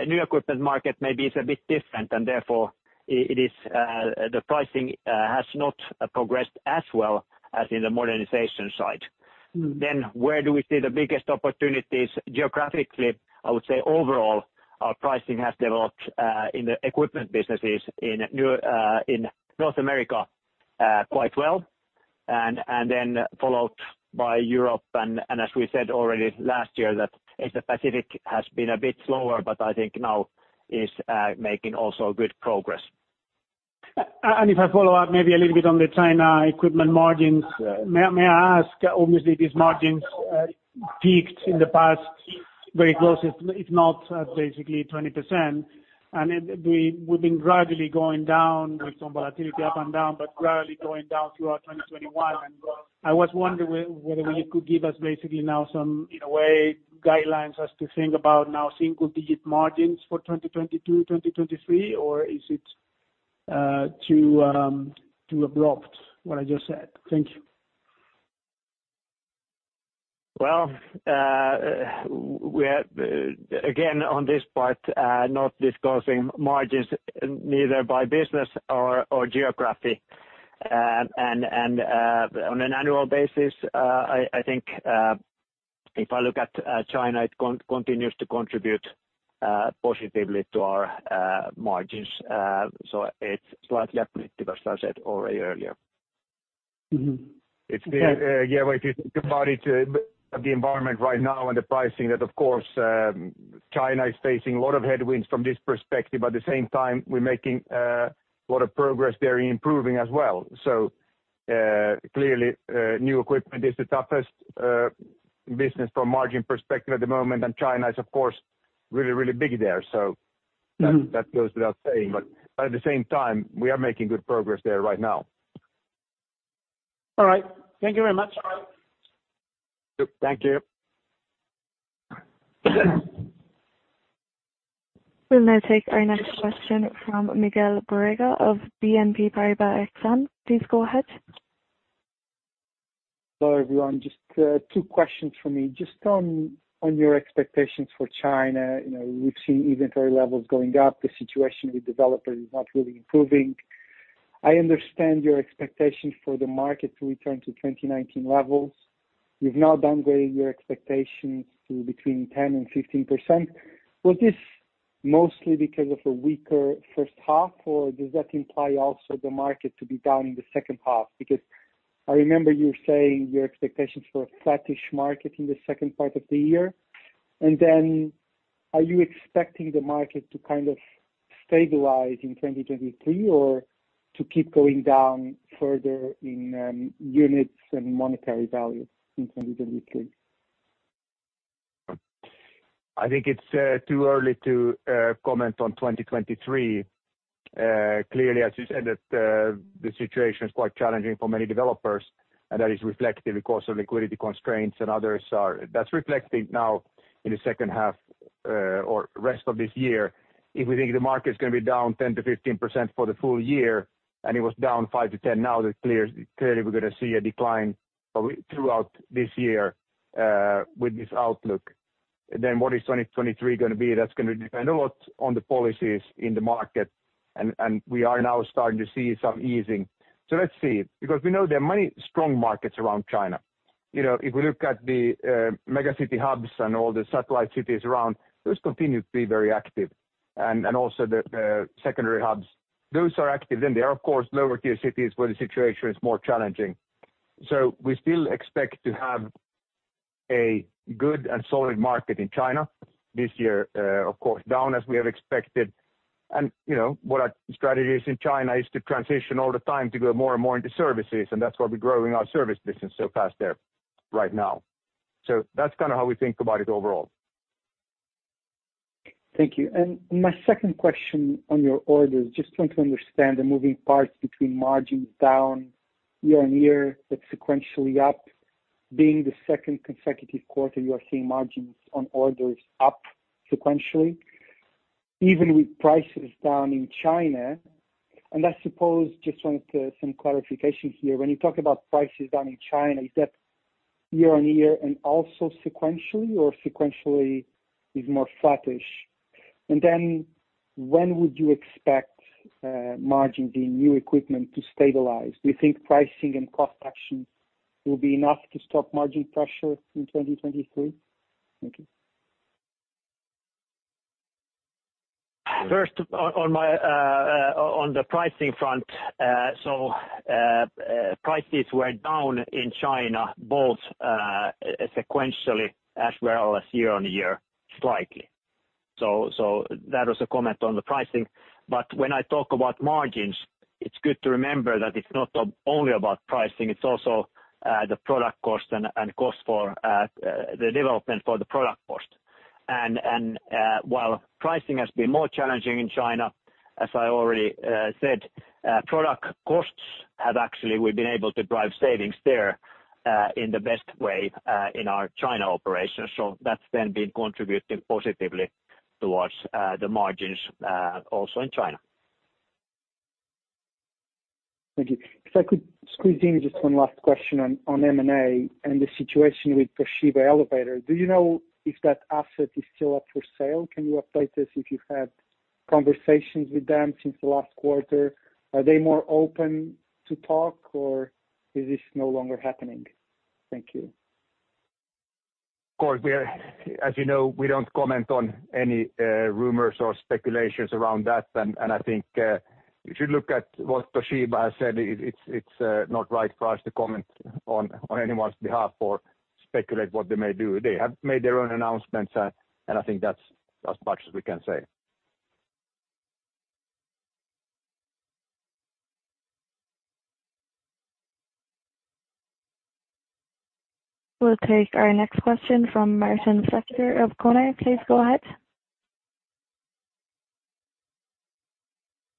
new equipment market maybe is a bit different, and therefore it is, the pricing has not progressed as well as in the modernization side. Where do we see the biggest opportunities geographically? I would say overall our pricing has developed in the equipment businesses in North America quite well and then followed by Europe. As we said already last year that Asia-Pacific has been a bit slower but I think now is making also good progress. If I follow up maybe a little bit on the China equipment margins, may I ask, obviously these margins peaked in the past very close if not basically 20%. We've been gradually going down with some volatility up and down, but gradually going down throughout 2021. I was wondering whether you could give us basically now some in a way guidelines as to think about now single digit margins for 2022, 2023, or is it too abrupt what I just said? Thank you. Well, we are again on this part not disclosing margins neither by business or on an annual basis. I think if I look at China it continues to contribute positively to our margins. It's slightly uplift because I said already earlier. Mm-hmm. Yeah. If you think about it, the environment right now and the pricing that of course, China is facing a lot of headwinds from this perspective. At the same time we're making a lot of progress there in improving as well. Clearly, new equipment is the toughest business from margin perspective at the moment, and China is of course really, really big there. Mm-hmm. That goes without saying. At the same time, we are making good progress there right now. All right. Thank you very much. Thank you. We'll now take our next question from Miguel Borrega of BNP Paribas Exane. Please go ahead. Hello, everyone. Just, two questions from me. Just on your expectations for China. You know, we've seen inventory levels going up. The situation with developers is not really improving. I understand your expectations for the market to return to 2019 levels. You've now downgraded your expectations to between 10% and 15%. Was this mostly because of a weaker first half or does that imply also the market to be down in the second half? Because I remember you saying your expectations for a flattish market in the second part of the year. Then are you expecting the market to kind of stabilize in 2023, or to keep going down further in units and monetary value in 2023? I think it's too early to comment on 2023. Clearly as you said that the situation is quite challenging for many developers, and that is reflective because of liquidity constraints. That's reflecting now in the second half or rest of this year. If we think the market is gonna be down 10%-15% for the full year, and it was down 5%-10% now, then clearly we're gonna see a decline probably throughout this year with this outlook. Then what is 2023 gonna be? That's gonna depend a lot on the policies in the market, and we are now starting to see some easing. Let's see, because we know there are many strong markets around China. You know, if we look at the mega city hubs and all the satellite cities around, those continue to be very active. The secondary hubs, those are active. There are of course lower tier cities where the situation is more challenging. We still expect to have a good and solid market in China this year, of course, down as we have expected. You know, what our strategy is in China is to transition all the time to go more and more into services, and that's why we're growing our service business so fast there right now. That's kind of how we think about it overall. Thank you. My second question on your orders, just trying to understand the moving parts between margins down year-on-year but sequentially up, being the second consecutive quarter you are seeing margins on orders up sequentially, even with prices down in China. I suppose just wanted some clarification here. When you talk about prices down in China is that year-on-year and also sequentially or sequentially is more flattish? Then when would you expect margin in new equipment to stabilize? Do you think pricing and cost actions will be enough to stop margin pressure in 2023? Thank you. First on the pricing front. Prices were down in China both sequentially as well as year-on-year slightly. That was a comment on the pricing. When I talk about margins, it's good to remember that it's not only about pricing, it's also the product cost and cost for the development for the product cost. While pricing has been more challenging in China as I already said, product costs have actually we've been able to drive savings there in the best way in our China operations. That's then been contributing positively towards the margins also in China. Thank you. If I could squeeze in just one last question on M&A and the situation with Toshiba Elevator. Do you know if that asset is still up for sale? Can you update us if you've had conversations with them since the last quarter? Are they more open to talk or is this no longer happening? Thank you. Of course, as you know, we don't comment on any rumors or speculations around that. I think, if you look at what Toshiba has said, it's not right for us to comment on anyone's behalf or speculate what they may do. They have made their own announcements. I think that's as much as we can say. We'll take our next question from Martin Flueckiger of Kepler Cheuvreux. Please go ahead.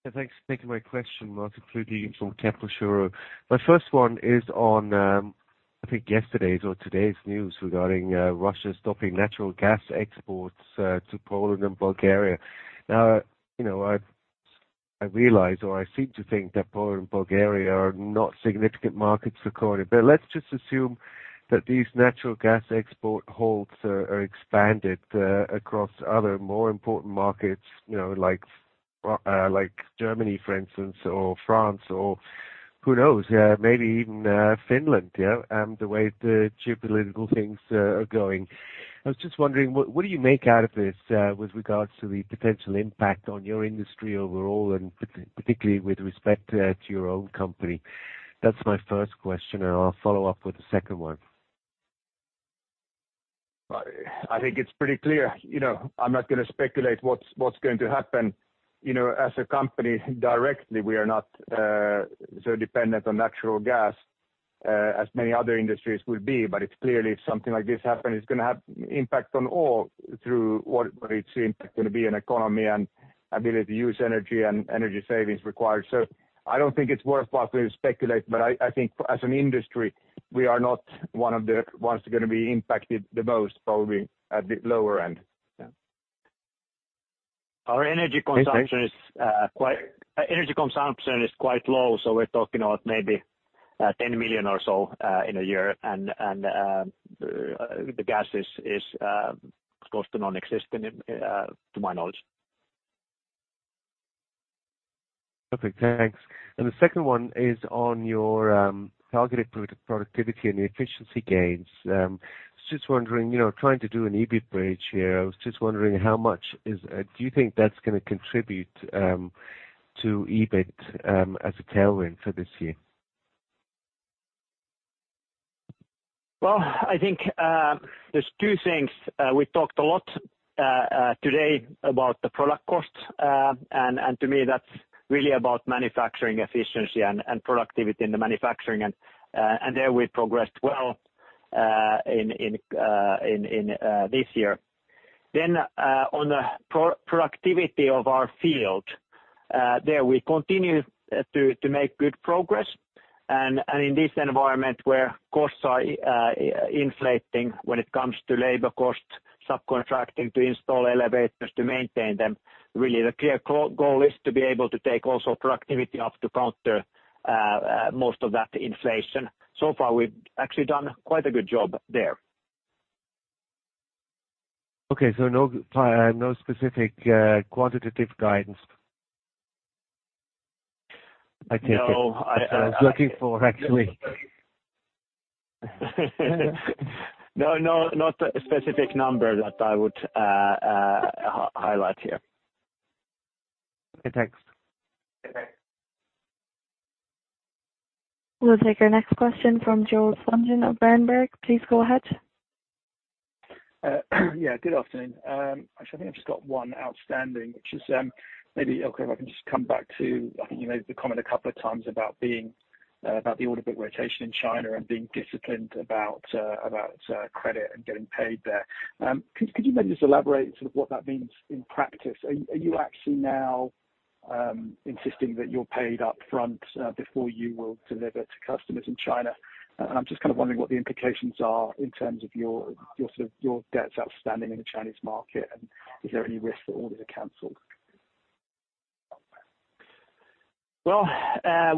Yeah, thanks. Thank you for my question. Martin Flueckiger from Kepler Cheuvreux. My first one is on I think yesterday's or today's news regarding Russia stopping natural gas exports to Poland and Bulgaria. Now, you know, I realize or I seem to think that Poland and Bulgaria are not significant markets for KONE. But let's just assume that these natural gas export halts are expanded across other more important markets, you know, like Germany for instance, or France or who knows? Maybe even Finland, yeah, the way the geopolitical things are going. I was just wondering what do you make out of this with regards to the potential impact on your industry overall and particularly with respect to your own company? That's my first question, and I'll follow up with a second one. I think it's pretty clear. You know, I'm not gonna speculate what's going to happen. You know, as a company directly we are not so dependent on natural gas as many other industries will be. It's clearly if something like this happen it's gonna have impact on all through what its impact gonna be in economy and ability to use energy and energy savings required. I don't think it's worthwhile to speculate but I think as an industry we are not one of the ones that are gonna be impacted the most, probably at the lower end. Yeah. Our energy consumption is quite low, so we're talking about maybe 10 million or so in a year. The gas is close to nonexistent, to my knowledge. Okay, thanks. The second one is on your targeted productivity and efficiency gains. Just wondering you know, trying to do an EBIT bridge here. I was just wondering how much do you think that's gonna contribute to EBIT as a tailwind for this year? Well, I think there's two things. We talked a lot today about the product costs. To me that's really about manufacturing efficiency and productivity in the manufacturing and there we progressed well in this year. On the productivity of our field there we continue to make good progress. In this environment where costs are inflating when it comes to labor costs, subcontracting to install elevators to maintain them really the clear goal is to be able to take also productivity up to counter most of that inflation. So far we've actually done quite a good job there. Okay. No specific quantitative guidance. I take it. No. I was looking for actually. No, no, not a specific number that I would highlight here. Okay, thanks. We'll take our next question from Joel Spungin of Berenberg. Please go ahead. Yeah, good afternoon. Actually, I think I've just got one outstanding, which is maybe Ilkka, if I can just come back to I think you made the comment a couple of times about the order book rotation in China and being disciplined about credit and getting paid there. Could you maybe just elaborate sort of what that means in practice? Are you actually now insisting that you're paid up front before you will deliver to customers in China? I'm just kind of wondering what the implications are in terms of your sort of debts outstanding in the Chinese market and is there any risk that orders are canceled? Well,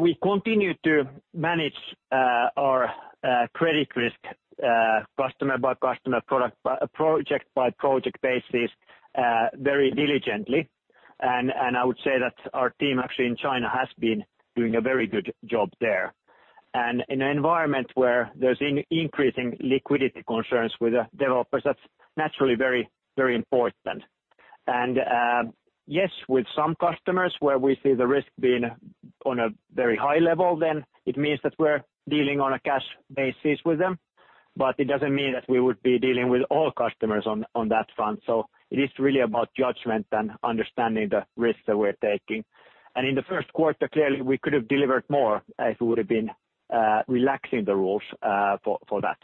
we continue to manage our credit risk customer by customer, project by project basis very diligently. I would say that our team actually in China has been doing a very good job there. In an environment where there's increasing liquidity concerns with the developers that's naturally very, very important. Yes. With some customers where we see the risk being on a very high level then it means that we're dealing on a cash basis with them but it doesn't mean that we would be dealing with all customers on that front. It is really about judgment and understanding the risks that we're taking. In the first quarter, clearly we could have delivered more if we would have been relaxing the rules for that.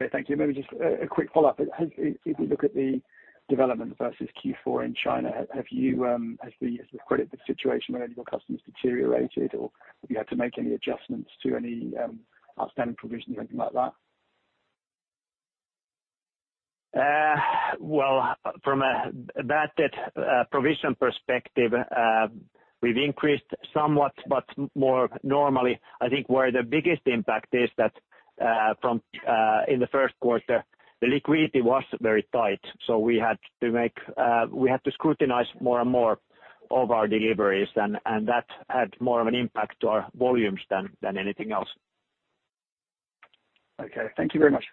Okay, thank you. Maybe just a quick follow-up. If you look at the development versus Q4 in China, has the credit situation with any of your customers deteriorated or have you had to make any adjustments to any outstanding provision or anything like that? Well from a bad debt provision perspective, we've increased somewhat but more normally, I think where the biggest impact is that from in the first quarter. The liquidity was very tight. We had to scrutinize more and more of our deliveries and that had more of an impact to our volumes than anything else. Okay. Thank you very much.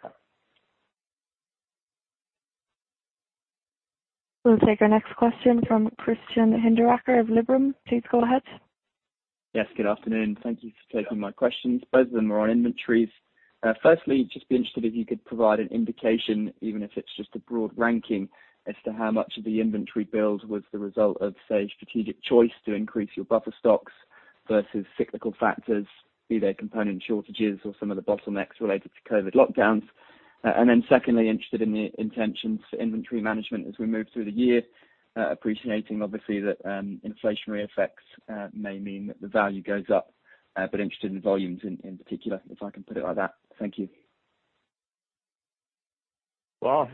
We'll take our next question from Christian Hinderaker of Liberum. Please go ahead. Yes. Good afternoon. Thank you for taking my questions. Both of them are on inventories. Firstly, just be interested if you could provide an indication even if it's just a broad ranking, as to how much of the inventory build was the result of say, strategic choice to increase your buffer stocks versus cyclical factors be they component shortages or some of the bottlenecks related to COVID-19 lockdowns. Secondly, interested in the intentions for inventory management as we move through the year appreciating obviously that inflationary effects may mean that the value goes up, but interested in volumes in particular if I can put it like that. Thank you. Well,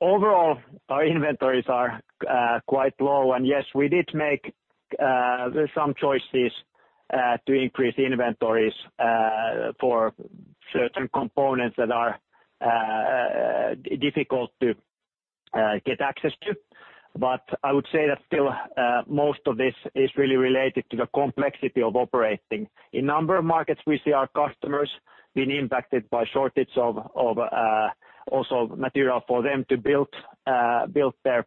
overall our inventories are quite low. Yes. We did make some choices to increase inventories for certain components that are difficult to get access to. I would say that still, most of this is really related to the complexity of operating. In a number of markets we see our customers being impacted by shortage of also material for them to build their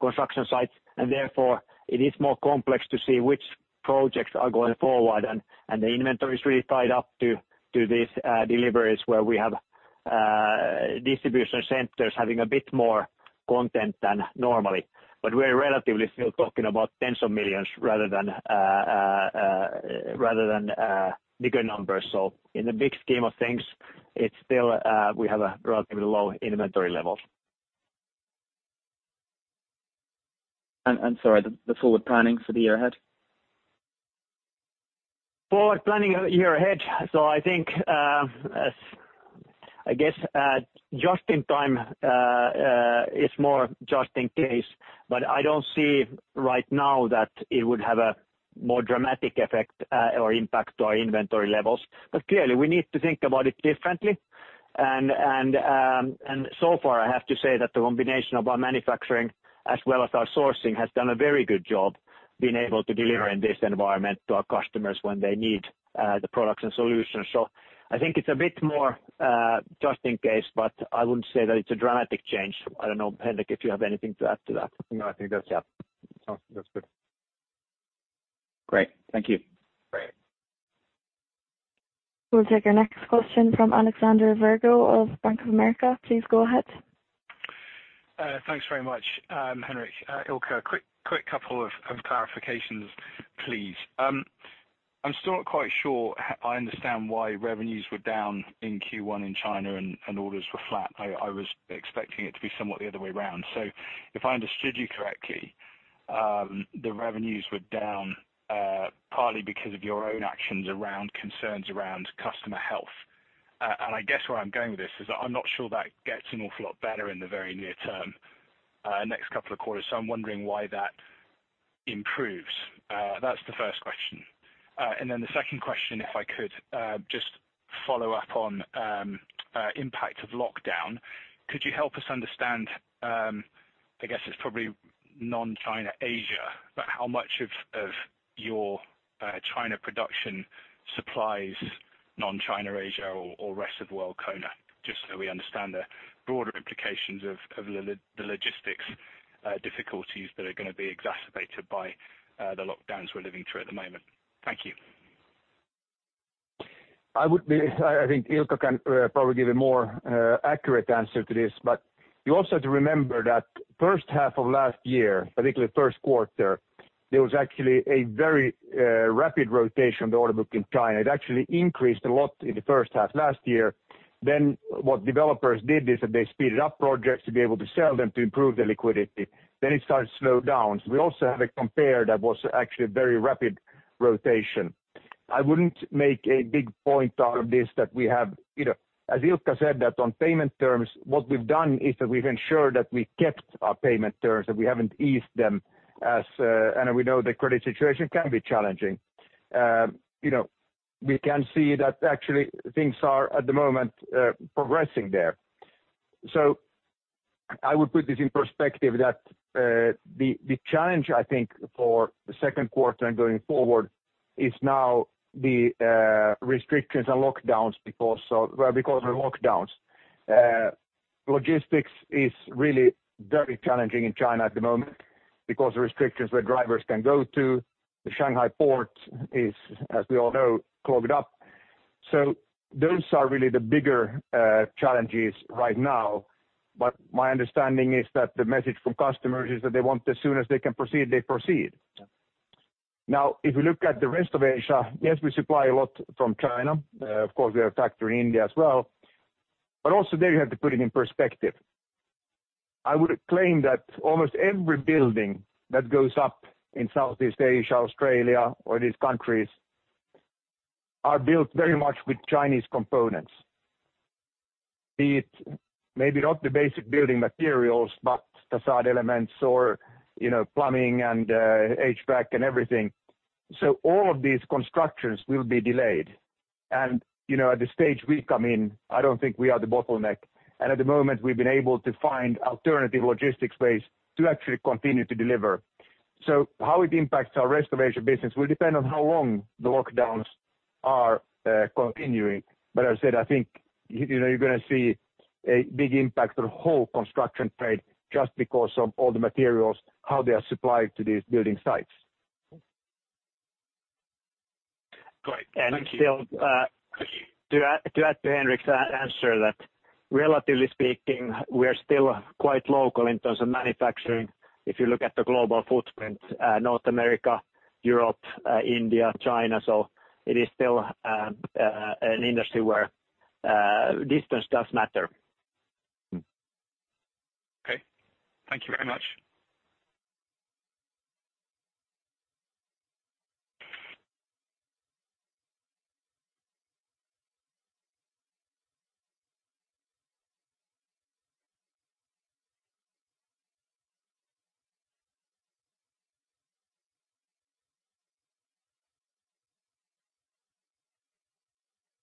construction sites. Therefore it is more complex to see which projects are going forward. The inventory is really tied up to these deliveries where we have distribution centers having a bit more content than normally. We're relatively still talking about tens of millions rather than bigger numbers. In the big scheme of things it's still we have relatively low inventory levels. Sorry, the forward planning for the year ahead? Forward planning year ahead. I think it's more just in case but I don't see right now that it would have a more dramatic effect or impact to our inventory levels. Clearly we need to think about it differently. So far I have to say that the combination of our manufacturing as well as our sourcing has done a very good job being able to deliver in this environment to our customers when they need the products and solutions. I think it's a bit more just in case but I wouldn't say that it's a dramatic change. I don't know, Henrik, if you have anything to add to that. No, I think that's, yeah. No, that's good. Great. Thank you. We'll take our next question from Alexander Virgo of Bank of America. Please go ahead. Thanks very much, Henrik, Ilkka. Quick couple of clarifications, please. I'm still not quite sure I understand why revenues were down in Q1 in China and orders were flat. I was expecting it to be somewhat the other way around. If I understood you correctly. The revenues were down partly because of your own actions around concerns around customer health. I guess where I'm going with this is that I'm not sure that gets an awful lot better in the very near term next couple of quarters. I'm wondering why that improves. That's the first question. Then the second question, if I could, just follow up on impact of lockdown. Could you help us understand, I guess it's probably non-China Asia, but how much of your China production supplies non-China Asia or rest of world KONE? Just so we understand the broader implications of the logistics difficulties that are gonna be exacerbated by the lockdowns we're living through at the moment. Thank you. I think Ilkka can probably give a more accurate answer to this. You also have to remember that first half of last year, particularly first quarter, there was actually a very rapid rotation of the order book in China. It actually increased a lot in the first half of last year. What developers did is that they speeded up projects to be able to sell them to improve the liquidity. It started to slow down. We also have a comp that was actually a very rapid rotation. I wouldn't make a big point out of this that we have, you know, as Ilkka said, that on payment terms, what we've done is that we've ensured that we kept our payment terms that we haven't eased them. We know the credit situation can be challenging. You know, we can see that actually things are at the moment progressing there. I would put this in perspective that the challenge I think for the second quarter and going forward is now the restrictions and lockdowns because of the lockdowns. Logistics is really very challenging in China at the moment because the restrictions where drivers can go to. The Shanghai port is, as we all know, clogged up. Those are really the bigger challenges right now. My understanding is that the message from customers is that they want as soon as they can proceed they proceed. Now, if you look at the rest of Asia, yes. We supply a lot from China. Of course we have factory in India as well. Also there you have to put it in perspective. I would claim that almost every building that goes up in Southeast Asia, Australia, or these countries. are built very much with Chinese components. Be it maybe not the basic building materials, but facade elements or, you know, plumbing and HVAC and everything. All of these constructions will be delayed. You know, at the stage we come in I don't think we are the bottleneck. At the moment, we've been able to find alternative logistics ways to actually continue to deliver. How it impacts our restoration business will depend on how long the lockdowns are continuing. As I said, I think you know, you're gonna see a big impact on the whole construction trade just because of all the materials, how they are supplied to these building sites. Great. Thank you. Still, to add to Henrik's answer, that relatively speaking, we are still quite local in terms of manufacturing. If you look at the global footprint, North America, Europe, India, China. It is still an industry where distance does matter. Okay. Thank you very much.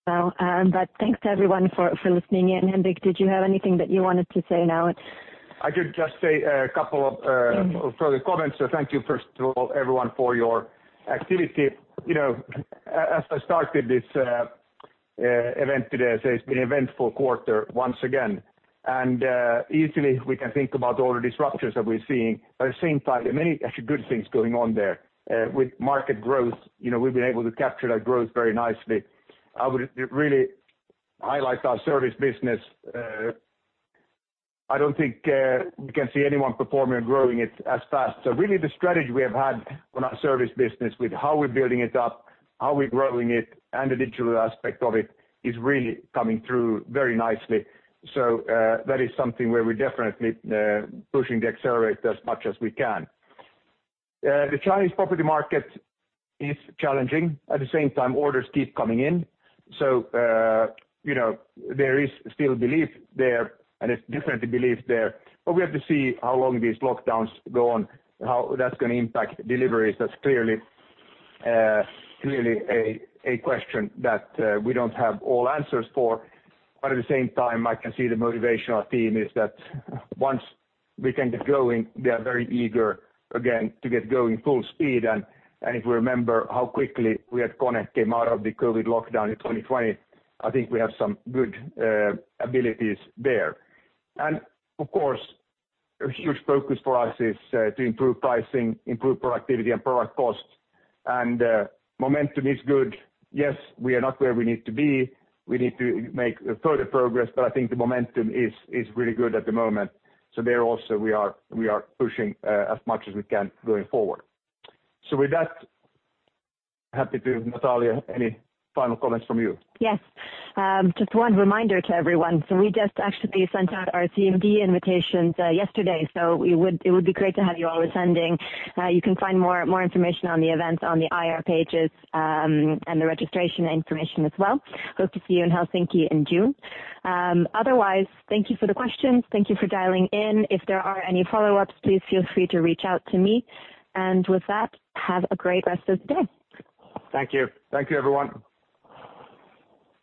Well, thanks to everyone for listening in. Henrik, did you have anything that you wanted to say now? I could just say a couple of. Mm-hmm Further comments. Thank you first of all, everyone, for your activity. You know, as I started this event today it's been an eventful quarter once again. Easily we can think about all the disruptors that we're seeing. At the same time, there are many actually good things going on there. With market growth, you know, we've been able to capture that growth very nicely. I would really highlight our service business. I don't think we can see anyone performing or growing it as fast. Really the strategy we have had on our service business with how we're building it up how we're growing it and the digital aspect of it is really coming through very nicely. That is something where we're definitely pushing the accelerator as much as we can. The Chinese property market is challenging. At the same time, orders keep coming in. You know, there is still belief there, and it's definitely belief there. We have to see how long these lockdowns go on how that's gonna impact deliveries. That's clearly a question that we don't have all answers for. At the same time, I can see the motivation our team is that once we can get going, they are very eager again to get going full speed. If we remember how quickly we at KONE came out of the COVID lockdown in 2020, I think we have some good abilities there. Of course, a huge focus for us is to improve pricing improve productivity and product costs. Momentum is good. Yes. We are not where we need to be. We need to make further progress, but I think the momentum is really good at the moment. There also we are pushing as much as we can going forward. With that, happy to Natalia, any final comments from you? Yes. Just one reminder to everyone. We just actually sent out our CMD invitations yesterday. It would be great to have you all attending. You can find more information on the events on the IR pages, and the registration information as well. Hope to see you in Helsinki in June. Otherwise, thank you for the questions. Thank you for dialing in. If there are any follow-ups, please feel free to reach out to me. With that, have a great rest of the day. Thank you. Thank you, everyone.